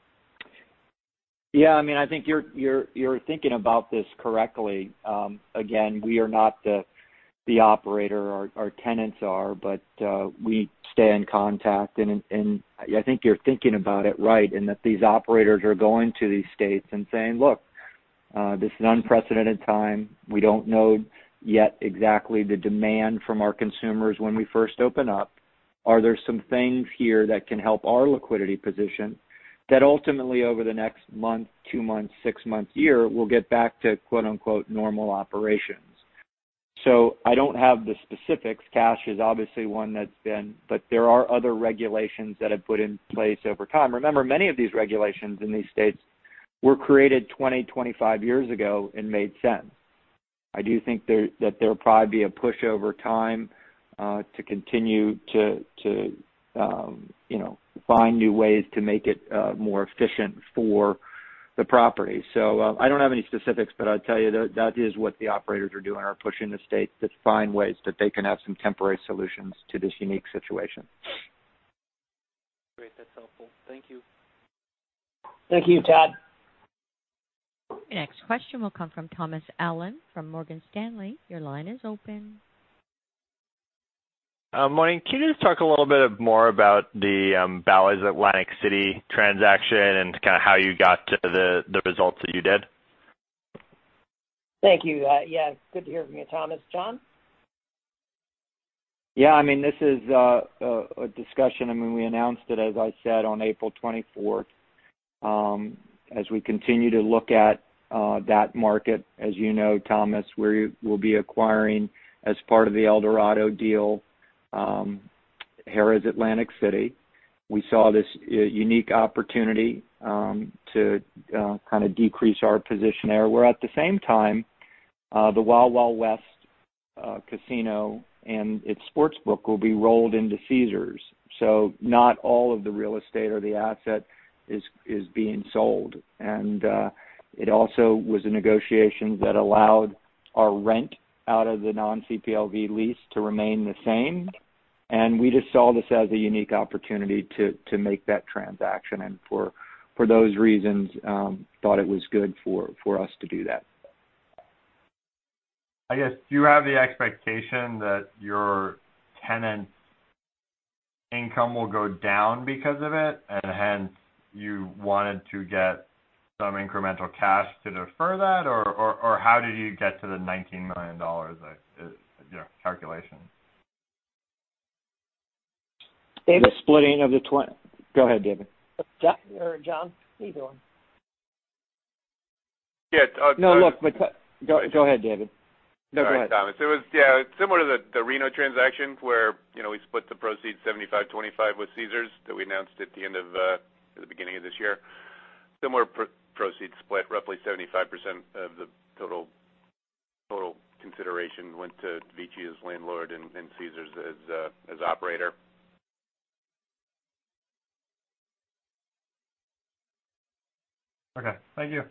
Yeah, I think you're thinking about this correctly. We are not the operator. Our tenants are. We stay in contact. I think you're thinking about it right. These operators are going to these states and saying, "Look, this is an unprecedented time." We don't know yet exactly the demand from our consumers when we first open up. Are there some things here that can help our liquidity position that ultimately over the next month, two months, six months, year, we'll get back to quote unquote 'normal operations.' I don't have the specifics. There are other regulations that have put in place over time. Remember, many of these regulations in these states were created 20, 25 years ago and made sense. I do think that there will probably be a push over time to continue to find new ways to make it more efficient for the property. I don't have any specifics, but I'll tell you that is what the operators are doing, are pushing the states to find ways that they can have some temporary solutions to this unique situation. Great. That's helpful. Thank you. Thank you, Todd. Your next question will come from Thomas Allen from Morgan Stanley. Your line is open. Morning. Can you just talk a little bit more about the, Bally's Atlantic City transaction and kind of how you got to the results that you did? Thank you. Yes, good to hear from you, Thomas. John? Yeah, this is a discussion, and we announced it, as I said, on April 24th. As we continue to look at that market, as you know, Thomas, we'll be acquiring, as part of the Eldorado deal, Harrah's Atlantic City. We saw this unique opportunity to kind of decrease our position there, where at the same time, the Wild Wild West Casino and its sportsbook will be rolled into Caesars. Not all of the real estate or the asset is being sold. It also was a negotiation that allowed our rent out of the non-CPLV lease to remain the same. We just saw this as a unique opportunity to make that transaction, and for those reasons, thought it was good for us to do that. I guess, do you have the expectation that your tenant income will go down because of it, and hence you wanted to get some incremental cash to defer that, or how did you get to the $19 million calculation? David? The splitting of the tw--. Go ahead, David. John? Either one. No, look. Go ahead, David. No, go ahead. All right, Thomas. It was, yeah, similar to the Reno transaction where we split the proceeds 75%, 25% with Caesars that we announced at the beginning of this year. Similar proceeds split, roughly 75% of the total consideration went to VICI as landlord and Caesars as operator. Okay. Thank you.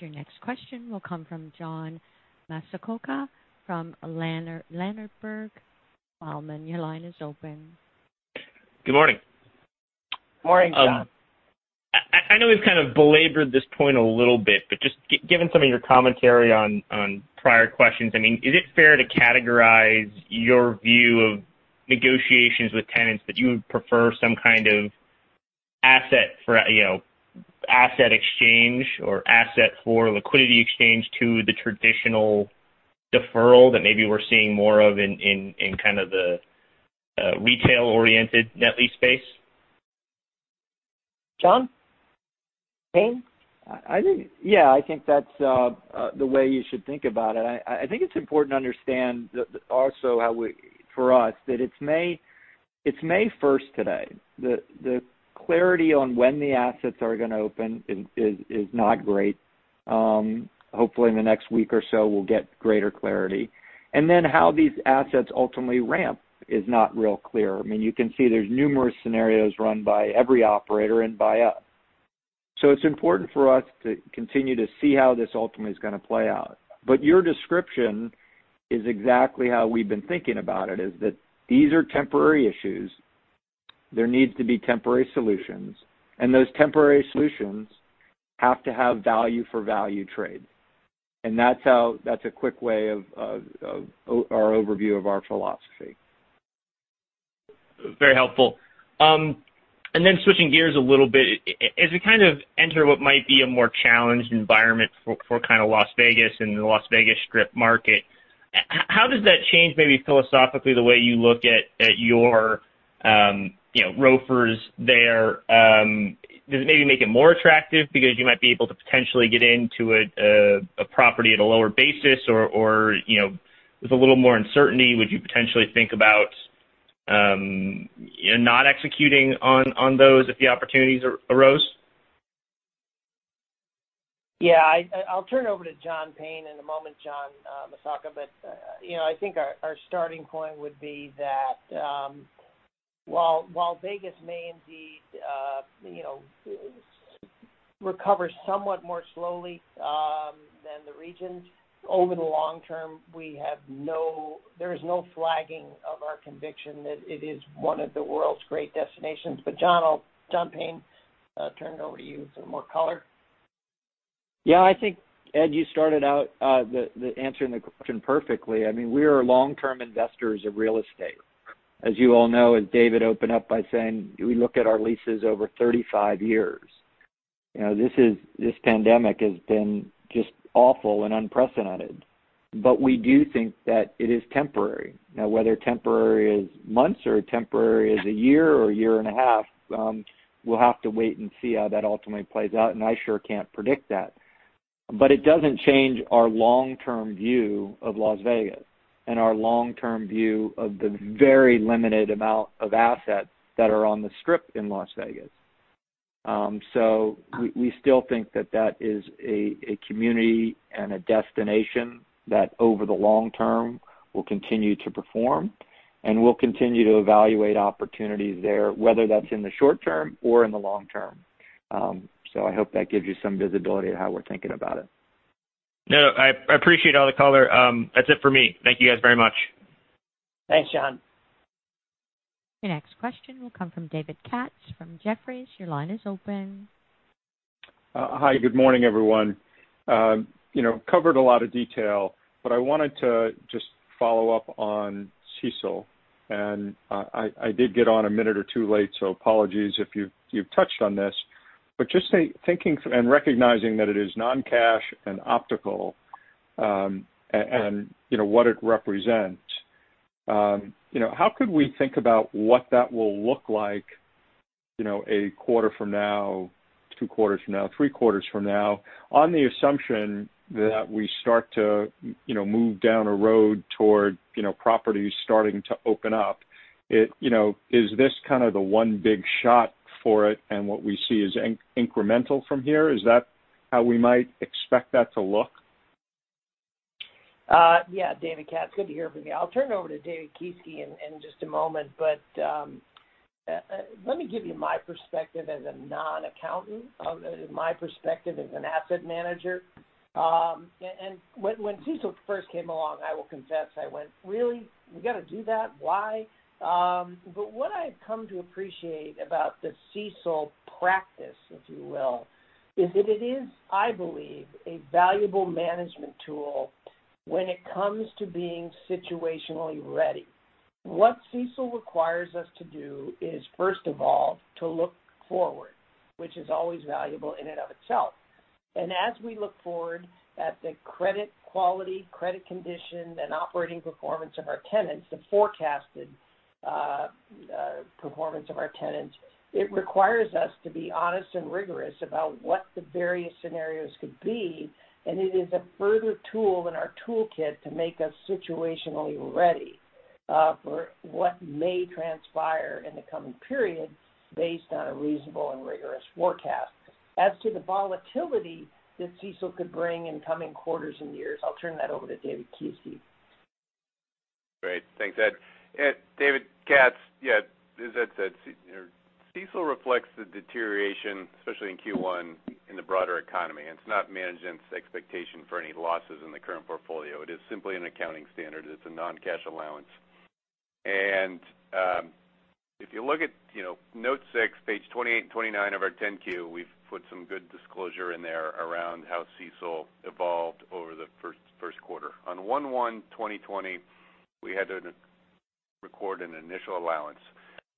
Your next question will come from John Massocca from Ladenburg Thalmann. Your line is open. Good morning. Morning, John. I know we've kind of belabored this point a little bit, but just given some of your commentary on prior questions, is it fair to categorize your view of negotiations with tenants that you would prefer some kind of asset exchange or asset for liquidity exchange to the traditional deferral that maybe we're seeing more of in kind of the retail-oriented net lease space? John Payne? Yeah, I think that's the way you should think about it. I think it's important to understand also for us that it's May 1st today. The clarity on when the assets are going to open is not great. Hopefully, in the next week or so, we'll get greater clarity. How these assets ultimately ramp is not real clear. You can see there's numerous scenarios run by every operator and by us. It's important for us to continue to see how this ultimately is going to play out. Your description is exactly how we've been thinking about it, is that these are temporary issues. There needs to be temporary solutions, and those temporary solutions have to have value for value trade. That's a quick way of our overview of our philosophy. Very helpful. Switching gears a little bit, as we enter what might be a more challenged environment for Las Vegas and the Las Vegas Strip market, how does that change maybe philosophically, the way you look at your ROFRs there? Does it maybe make it more attractive because you might be able to potentially get into a property at a lower basis? With a little more uncertainty, would you potentially think about not executing on those if the opportunities arose? Yeah. I'll turn it over to John Payne in a moment, John Massocca. I think our starting point would be that while Vegas may indeed recover somewhat more slowly than the regions, over the long term, there is no flagging of our conviction that it is one of the world's great destinations. John Payne, turn it over to you for more color. Yeah. I think, Ed, you started out answering the question perfectly. We are long-term investors of real estate. As you all know, as David opened up by saying, we look at our leases over 35 years. This pandemic has been just awful and unprecedented. We do think that it is temporary. Now, whether temporary is months or temporary is a year or a year and a half, we'll have to wait and see how that ultimately plays out, and I sure can't predict that. It doesn't change our long-term view of Las Vegas and our long-term view of the very limited amount of assets that are on the Strip in Las Vegas. We still think that that is a community and a destination that over the long term will continue to perform, and we'll continue to evaluate opportunities there, whether that's in the short term or in the long term. I hope that gives you some visibility of how we're thinking about it. No, I appreciate all the color. That's it for me. Thank you guys very much. Thanks, John. Your next question will come from David Katz from Jefferies. Your line is open. Hi. Good morning, everyone. Covered a lot of detail, but I wanted to just follow up on CECL, and I did get on a minute or two late, so apologies if you've touched on this. Just thinking and recognizing that it is non-cash and optical, and what it represents, how could we think about what that will look like a quarter from now, two quarters from now, three quarters from now on the assumption that we start to move down a road toward properties starting to open up? Is this kind of the one big shot for it and what we see is incremental from here? Is that how we might expect that to look? Yeah. David Katz, good to hear from you. I'll turn it over to David Kieske in just a moment. Let me give you my perspective as a non-accountant, my perspective as an asset manager. When CECL first came along, I will confess, I went, "Really? We got to do that? Why?" What I've come to appreciate about the CECL practice, if you will, is that it is, I believe, a valuable management tool when it comes to being situationally ready. What CECL requires us to do is, first of all, to look forward, which is always valuable in and of itself. As we look forward at the credit quality, credit condition, and operating performance of our tenants, the forecasted performance of our tenants, it requires us to be honest and rigorous about what the various scenarios could be. It is a further tool in our toolkit to make us situationally ready for what may transpire in the coming period based on a reasonable and rigorous forecast. As to the volatility that CECL could bring in coming quarters and years, I'll turn that over to David Kieske. Great. Thanks, Ed. David Katz, as Ed said, CECL reflects the deterioration, especially in Q1, in the broader economy, and it's not management's expectation for any losses in the current portfolio. It is simply an accounting standard. It's a non-cash allowance. If you look at note six, page 28 and 29 of our 10-Q, we've put some good disclosure in there around how CECL evolved over the first quarter. On 01/01/2020, we had to record an initial allowance.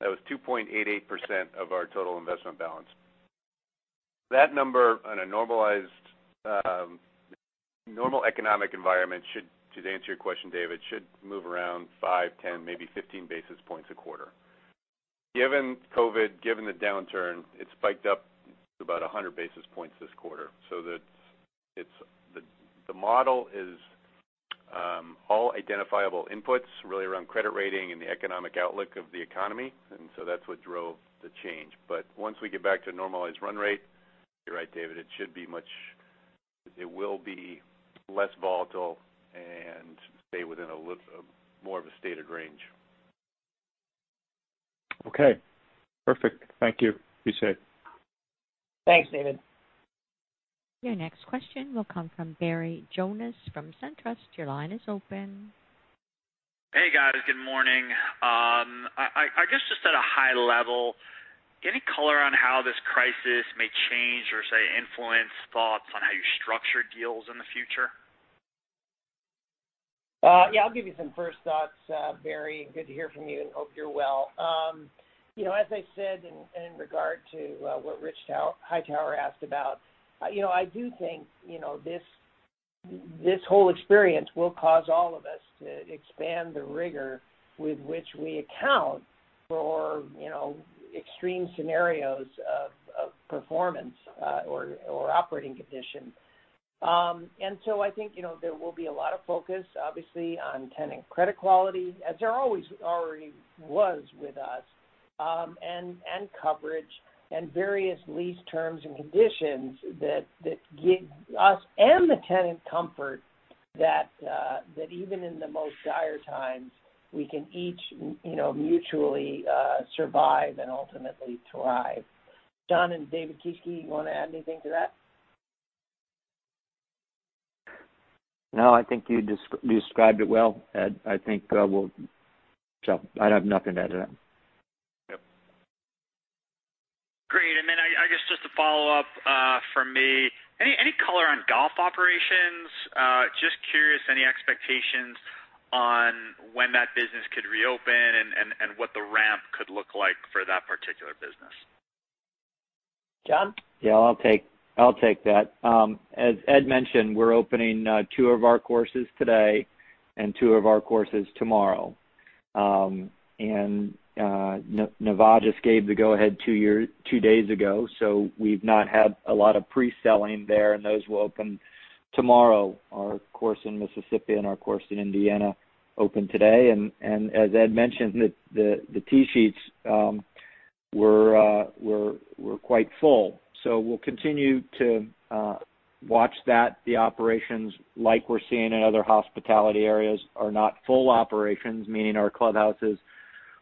That was 2.88% of our total investment balance. That number on a normal economic environment should, to answer your question, David, should move around five, 10, maybe 15 basis points a quarter. Given COVID, given the downturn, it spiked up to about 100 basis points this quarter. The model is all identifiable inputs really around credit rating and the economic outlook of the economy. That's what drove the change. Once we get back to a normalized run rate, you're right, David, it will be less volatile and stay within more of a stated range. Okay. Perfect. Thank you. Be safe. Thanks, David. Your next question will come from Barry Jonas from Truist Securities. Your line is open. Hey, guys. Good morning. I guess just at a high level, any color on how this crisis may change or, say, influence thoughts on how you structure deals in the future? Yeah, I'll give you some first thoughts, Barry. Good to hear from you, and hope you're well. As I said in regard to what Richard Hightower asked about, I do think this whole experience will cause all of us to expand the rigor with which we account for extreme scenarios of performance or operating condition. I think there will be a lot of focus, obviously, on tenant credit quality, as there always already was with us, and coverage and various lease terms and conditions that give us and the tenant comfort that even in the most dire times, we can each mutually survive and ultimately thrive. John and David Kieske, you want to add anything to that? No, I think you described it well, Ed. I think I have nothing to add to that. Yep. Great. I guess just to follow up for me, any color on golf operations? Just curious, any expectations on when that business could reopen and what the ramp could look like for that particular business? John? Yeah, I'll take that. As Ed mentioned, we're opening two of our courses today and two of our courses tomorrow. Nevada just gave the go-ahead two days ago, so we've not had a lot of pre-selling there, and those will open tomorrow. Our course in Mississippi and our course in Indiana open today. As Ed mentioned, the tee sheets were quite full. We'll continue to watch that. The operations, like we're seeing in other hospitality areas, are not full operations, meaning our clubhouses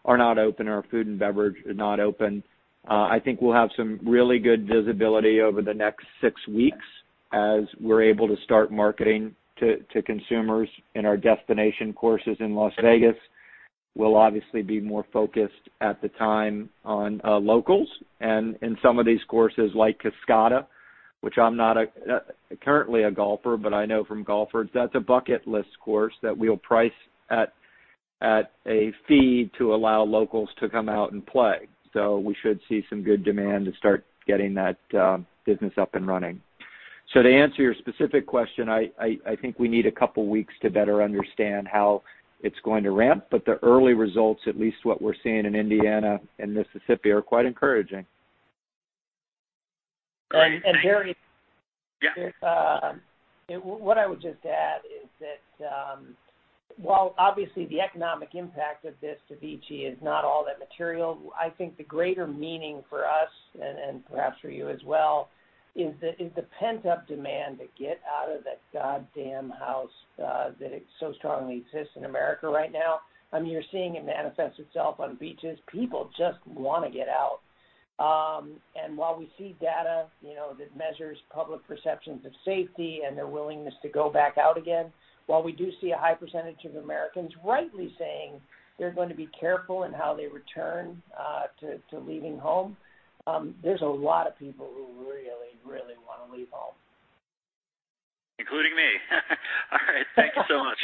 are not open, our food and beverage are not open. I think we'll have some really good visibility over the next six weeks as we're able to start marketing to consumers in our destination courses in Las Vegas. We'll obviously be more focused at the time on locals. In some of these courses like Cascata, which I'm not currently a golfer, but I know from golfers, that's a bucket list course that we'll price at a fee to allow locals to come out and play. We should see some good demand to start getting that business up and running. To answer your specific question, I think we need a couple of weeks to better understand how it's going to ramp. The early results, at least what we're seeing in Indiana and Mississippi, are quite encouraging. Great. Barry. Yeah What I would just add is that while obviously the economic impact of this to VICI is not all that material, I think the greater meaning for us and perhaps for you as well, is the pent-up demand to get out of that goddamn house that so strongly exists in America right now. You're seeing it manifest itself on beaches. People just want to get out. While we see data that measures public perceptions of safety and their willingness to go back out again, while we do see a high percentage of Americans rightly saying they're going to be careful in how they return to leaving home, there's a lot of people who really, really want to leave home. Including me. All right. Thank you so much.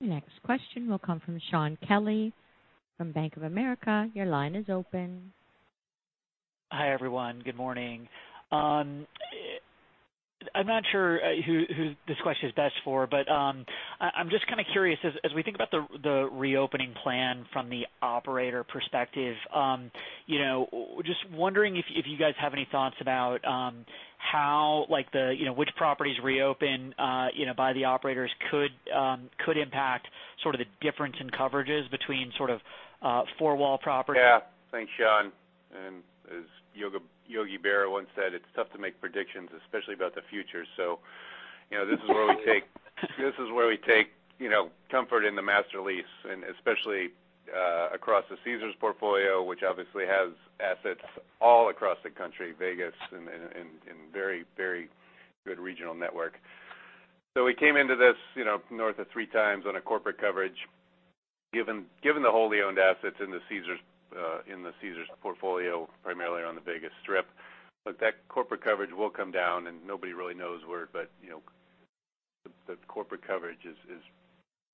Next question will come from Shaun Kelley from Bank of America. Your line is open. Hi, everyone. Good morning. I'm not sure who this question is best for, but I'm just kind of curious, as we think about the reopening plan from the operator perspective, just wondering if you guys have any thoughts about which properties reopen by the operators could impact sort of the difference in coverages between sort of four-wall properties. Yeah. Thanks, Shaun. As Yogi Berra once said, it's tough to make predictions, especially about the future. This is where we take comfort in the master lease, especially across the Caesars portfolio, which obviously has assets all across the country, Vegas and very good regional network. We came into this north of three times on a corporate coverage, given the wholly owned assets in the Caesars portfolio, primarily on the Vegas Strip. That corporate coverage will come down, and nobody really knows where, but the corporate coverage is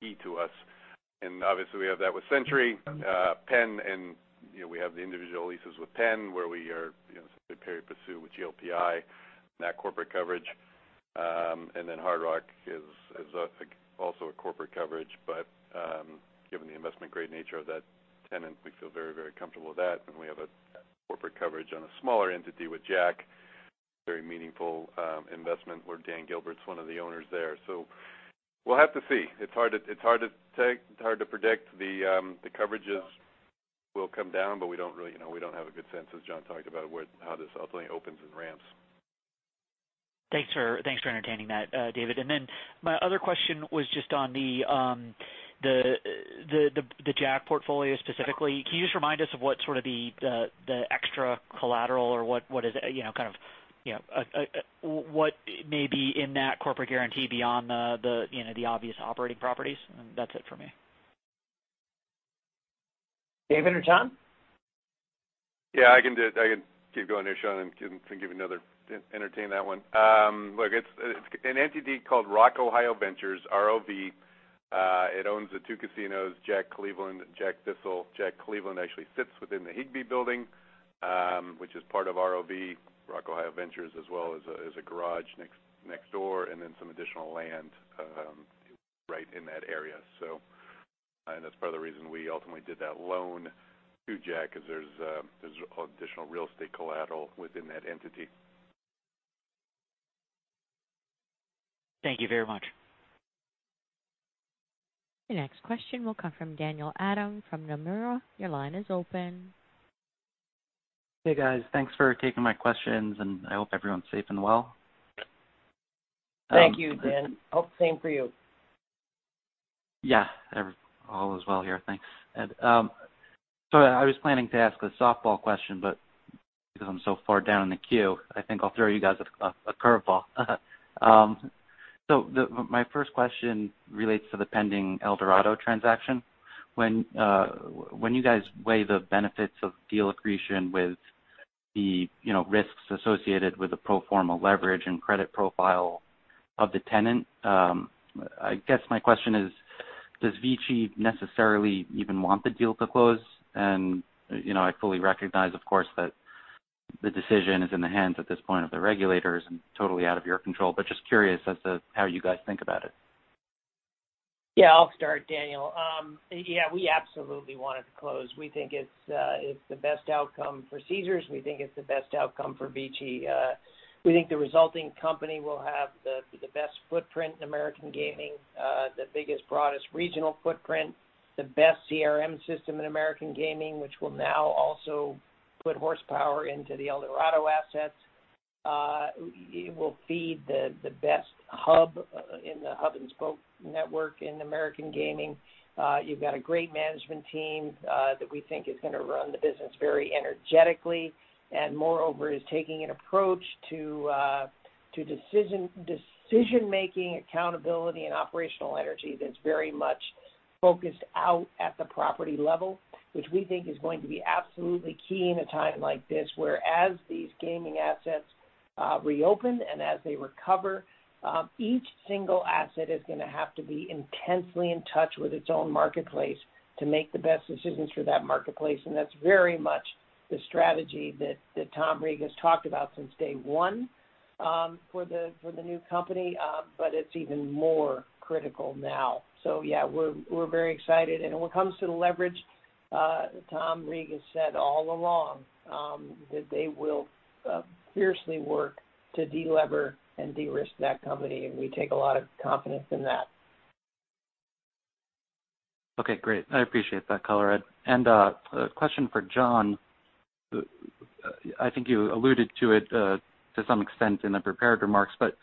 key to us. Obviously, we have that with Century, Penn, and we have the individual leases with Penn, where we are, as I said, pari passu with GLPI and that corporate coverage. Hard Rock is also a corporate coverage. Given the investment-grade nature of that tenant, we feel very comfortable with that. We have a corporate coverage on a smaller entity with JACK, very meaningful investment where Dan Gilbert's one of the owners there. We'll have to see. It's hard to predict. The coverages will come down, but we don't have a good sense, as John talked about, how this ultimately opens and ramps. Thanks for entertaining that, David. My other question was just on the JACK portfolio specifically. Can you just remind us of what sort of the extra collateral or what may be in that corporate guarantee beyond the obvious operating properties? That's it for me. David or John? Yeah, I can keep going here, Shaun, entertain that one. Look, it's an entity called Rock Ohio Ventures, ROV. It owns the two casinos, Jack Cleveland, JACK Thistledown. JACK Cleveland actually sits within the Higbee Building, which is part of ROV, Rock Ohio Ventures, as well as a garage next door, and then some additional land right in that area. That's part of the reason we ultimately did that loan to JACK is there's additional real estate collateral within that entity. Thank you very much. The next question will come from Daniel Adam from Nomura. Your line is open. Hey, guys. Thanks for taking my questions, and I hope everyone's safe and well. Thank you, Dan. Hope same for you. All is well here, thanks. Sorry, I was planning to ask a softball question, because I'm so far down in the queue, I think I'll throw you guys a curveball. My first question relates to the pending Eldorado transaction. When you guys weigh the benefits of deal accretion with the risks associated with the pro forma leverage and credit profile of the tenant, I guess my question is, does VICI necessarily even want the deal to close? I fully recognize, of course, that the decision is in the hands at this point of the regulators and totally out of your control, just curious as to how you guys think about it. Yeah, I'll start, Daniel. Yeah, we absolutely want it to close. We think it's the best outcome for Caesars. We think it's the best outcome for VICI. We think the resulting company will have the best footprint in American gaming, the biggest, broadest regional footprint, the best CRM system in American gaming, which will now also put horsepower into the Eldorado assets. It will feed the best hub in the hub and spoke network in American gaming. You've got a great management team that we think is going to run the business very energetically, and moreover, is taking an approach to decision-making, accountability, and operational energy that's very much focused out at the property level, which we think is going to be absolutely key in a time like this, where as these gaming assets reopen and as they recover, each single asset is going to have to be intensely in touch with its own marketplace to make the best decisions for that marketplace. That's very much the strategy that Tom Reeg has talked about since day one for the new company, but it's even more critical now. Yeah, we're very excited. When it comes to the leverage, Tom Reeg has said all along that they will fiercely work to de-lever and de-risk that company, and we take a lot of confidence in that. Okay, great. I appreciate that color, Ed. A question for John. I think you alluded to it to some extent in the prepared remarks, but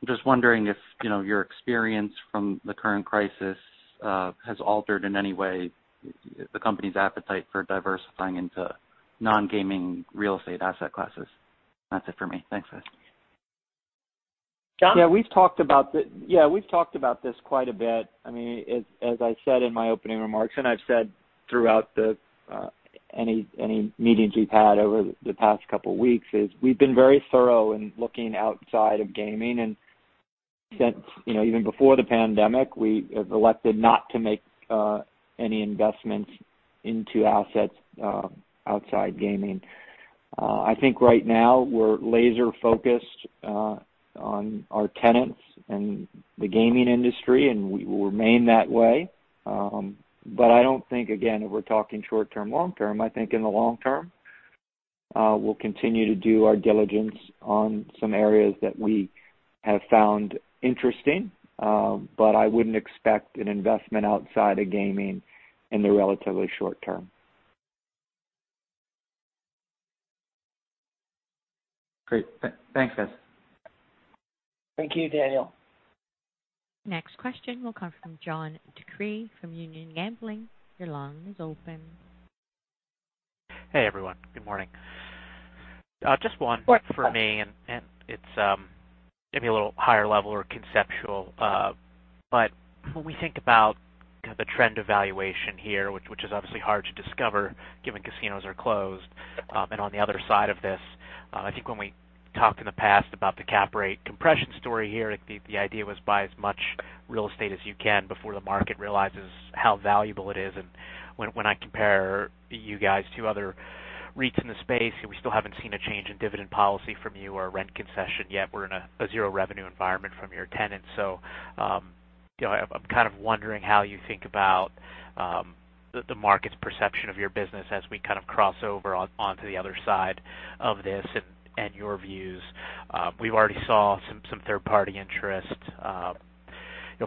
I'm just wondering if your experience from the current crisis has altered in any way the company's appetite for diversifying into non-gaming real estate asset classes. That's it for me. Thanks, guys. John? We've talked about this quite a bit. As I said in my opening remarks, and I've said throughout any meetings we've had over the past couple of weeks, is we've been very thorough in looking outside of gaming. Since even before the pandemic, we have elected not to make any investments into assets outside gaming. I think right now we're laser focused on our tenants and the gaming industry, and we will remain that way. I don't think, again, if we're talking short-term, long-term, I think in the long term, we'll continue to do our diligence on some areas that we have found interesting. I wouldn't expect an investment outside of gaming in the relatively short term. Great. Thanks, guys. Thank you, Daniel. Next question will come from John DeCree from Union Gaming. Your line is open. Hey, everyone. Good morning. Just one for me, it's maybe a little higher level or conceptual. When we think about the trend evaluation here, which is obviously hard to discover given casinos are closed, and on the other side of this, I think when we talked in the past about the cap rate compression story here, the idea was buy as much real estate as you can before the market realizes how valuable it is. When I compare you guys to other REITs in the space, we still haven't seen a change in dividend policy from you or a rent concession yet. We're in a zero revenue environment from your tenants. I'm kind of wondering how you think about the market's perception of your business as we kind of cross over onto the other side of this and your views. We've already saw some third-party interest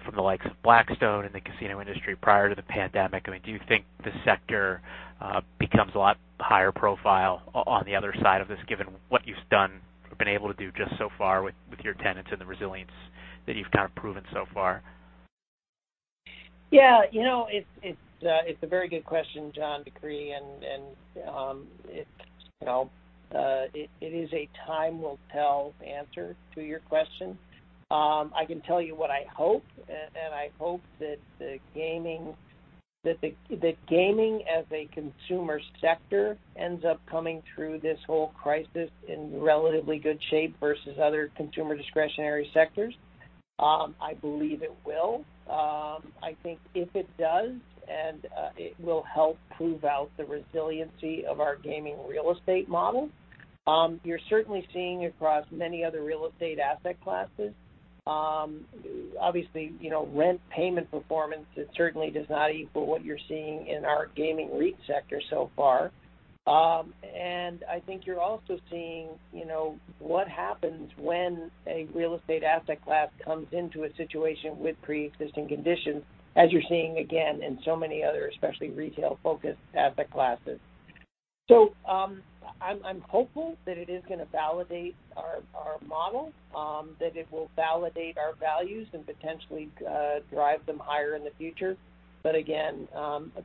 from the likes of Blackstone and the casino industry prior to the pandemic, do you think the sector becomes a lot higher profile on the other side of this, given what you've done or been able to do just so far with your tenants and the resilience that you've proven so far? Yeah. It's a very good question, John DeCree. It is a time-will-tell answer to your question. I can tell you what I hope. I hope that gaming as a consumer sector ends up coming through this whole crisis in relatively good shape versus other consumer discretionary sectors. I believe it will. I think if it does, it will help prove out the resiliency of our gaming REIT real estate model. You're certainly seeing across many other real estate asset classes. Obviously, rent payment performance, it certainly does not equal what you're seeing in our gaming REIT sector so far. I think you're also seeing what happens when a real estate asset class comes into a situation with preexisting conditions, as you're seeing, again, in so many other, especially retail-focused asset classes. I'm hopeful that it is going to validate our model, that it will validate our values and potentially drive them higher in the future. Again,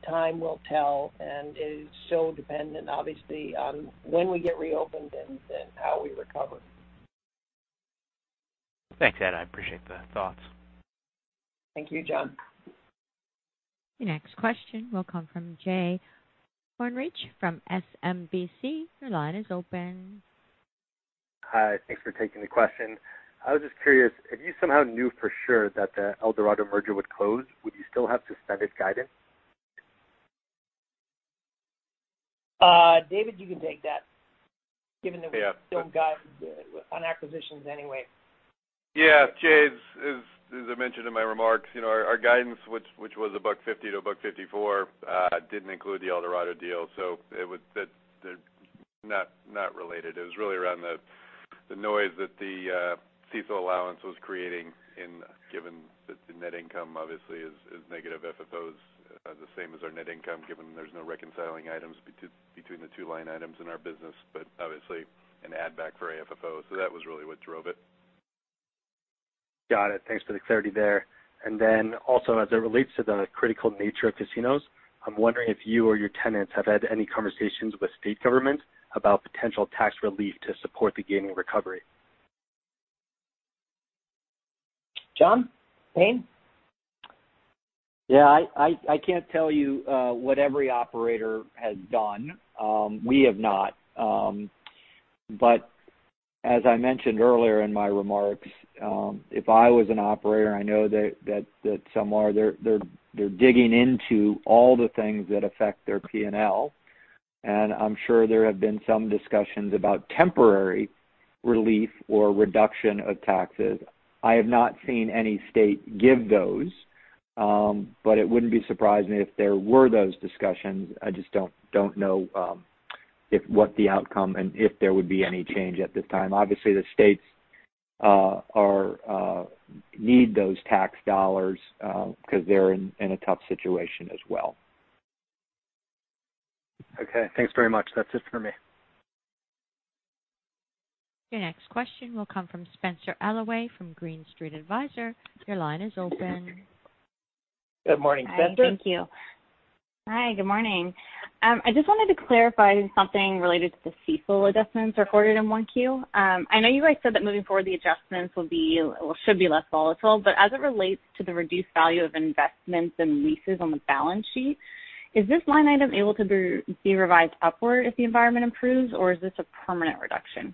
time will tell, and it is so dependent, obviously, on when we get reopened and how we recover. Thanks, Ed. I appreciate the thoughts. Thank you, John. Your next question will come from Jay Kornreich from SMBC. Your line is open. Hi. Thanks for taking the question. I was just curious, if you somehow knew for sure that the Eldorado merger would close, would you still have suspended guidance? David, you can take that. Yeah given that we don't guide on acquisitions anyway. Yeah, Jay, as I mentioned in my remarks, our guidance, which was $1.50-$1.54, didn't include the Eldorado deal, so they're not related. It was really around the noise that the CECL allowance was creating and given that the net income obviously is negative. FFOs are the same as our net income, given there's no reconciling items between the two line items in our business, but obviously an add back for AFFO. That was really what drove it. Got it. Thanks for the clarity there. Also, as it relates to the critical nature of casinos, I'm wondering if you or your tenants have had any conversations with state government about potential tax relief to support the gaming recovery. John Payne? Yeah. I can't tell you what every operator has done. We have not. As I mentioned earlier in my remarks, if I was an operator, I know that somewhere they're digging into all the things that affect their P&L, and I'm sure there have been some discussions about temporary relief or reduction of taxes. I have not seen any state give those, but it wouldn't be surprising if there were those discussions. I just don't know what the outcome and if there would be any change at this time. Obviously, the states need those tax dollars because they're in a tough situation as well. Okay, thanks very much. That's it for me. Your next question will come from Spenser Allaway from Green Street Advisors. Your line is open. Good morning, Spenser. Hi. Thank you. Hi. Good morning. I just wanted to clarify something related to the CECL adjustments recorded in 1Q. As it relates to the reduced value of investments and leases on the balance sheet, is this line item able to be revised upward if the environment improves, or is this a permanent reduction?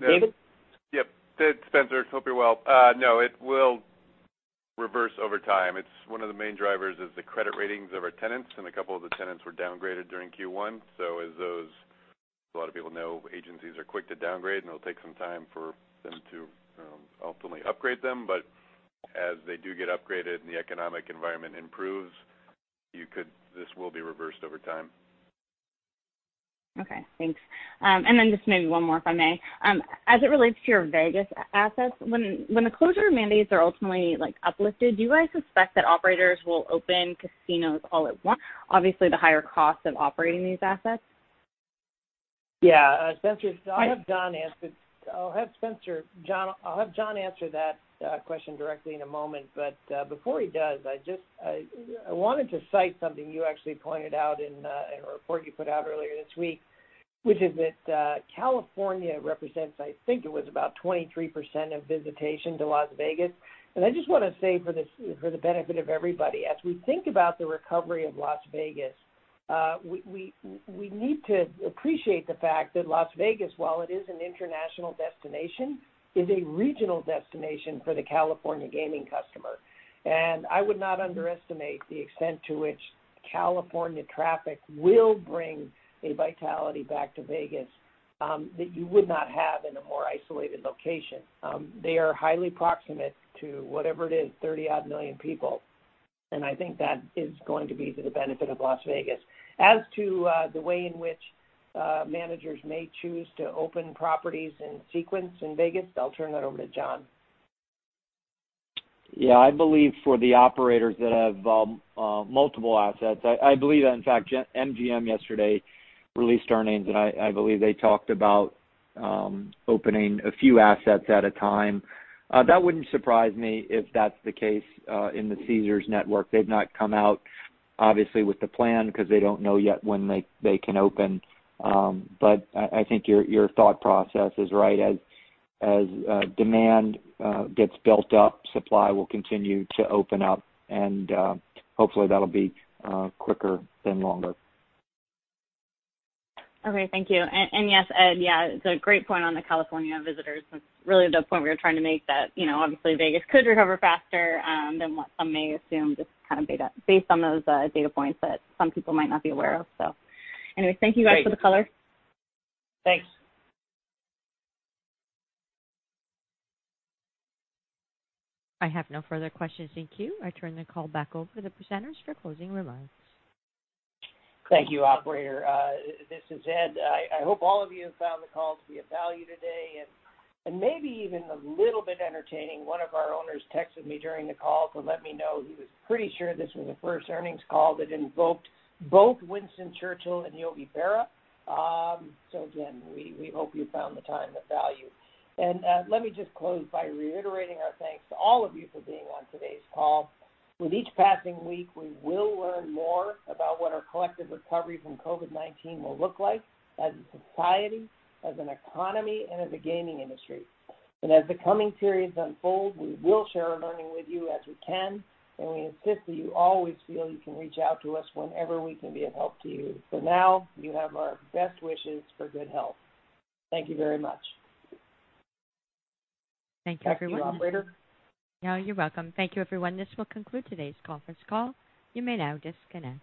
David? Yep. Spenser, hope you're well. No, it will reverse over time. One of the main drivers is the credit ratings of our tenants, and a couple of the tenants were downgraded during Q1. As a lot of people know, agencies are quick to downgrade, and it'll take some time for them to ultimately upgrade them. As they do get upgraded and the economic environment improves, this will be reversed over time. Okay, thanks. Then just maybe one more, if I may. As it relates to your Vegas assets, when the closure mandates are ultimately uplifted, do you guys suspect that operators will open casinos all at once, obviously the higher cost of operating these assets? Yeah. Spenser, I'll have John answer that question directly in a moment. Before he does, I wanted to cite something you actually pointed out in a report you put out earlier this week, which is that California represents, I think it was about 23% of visitation to Las Vegas. I just want to say for the benefit of everybody, as we think about the recovery of Las Vegas, we need to appreciate the fact that Las Vegas, while it is an international destination, is a regional destination for the California gaming customer. I would not underestimate the extent to which California traffic will bring a vitality back to Vegas that you would not have in a more isolated location. They are highly proximate to whatever it is, 30-odd million people. I think that is going to be to the benefit of Las Vegas. As to the way in which managers may choose to open properties in sequence in Vegas, I'll turn that over to John. Yeah. I believe for the operators that have multiple assets, I believe, in fact, MGM yesterday released earnings, and I believe they talked about opening a few assets at a time. That wouldn't surprise me if that's the case in the Caesars network. They've not come out, obviously, with the plan because they don't know yet when they can open. I think your thought process is right. As demand gets built up, supply will continue to open up, and hopefully, that'll be quicker than longer. Okay. Thank you. Yes, Ed, it's a great point on the California visitors. That's really the point we were trying to make that obviously Vegas could recover faster than what some may assume, just based on those data points that some people might not be aware of. Anyways, thank you guys for the color. Thanks. I have no further questions in queue. I turn the call back over to the presenters for closing remarks. Thank you, operator. This is Ed. I hope all of you have found the call to be of value today and maybe even a little bit entertaining. One of our owners texted me during the call to let me know he was pretty sure this was the first earnings call that invoked both Winston Churchill and Yogi Berra. Again, we hope you found the time of value. Let me just close by reiterating our thanks to all of you for being on today's call. With each passing week, we will learn more about what our collective recovery from COVID-19 will look like as a society, as an economy, and as a gaming industry. As the coming periods unfold, we will share our learning with you as we can, and we insist that you always feel you can reach out to us whenever we can be of help to you. For now, you have our best wishes for good health. Thank you very much. Thank you, everyone. Back to you, operator. No, you're welcome. Thank you, everyone. This will conclude today's conference call. You may now disconnect.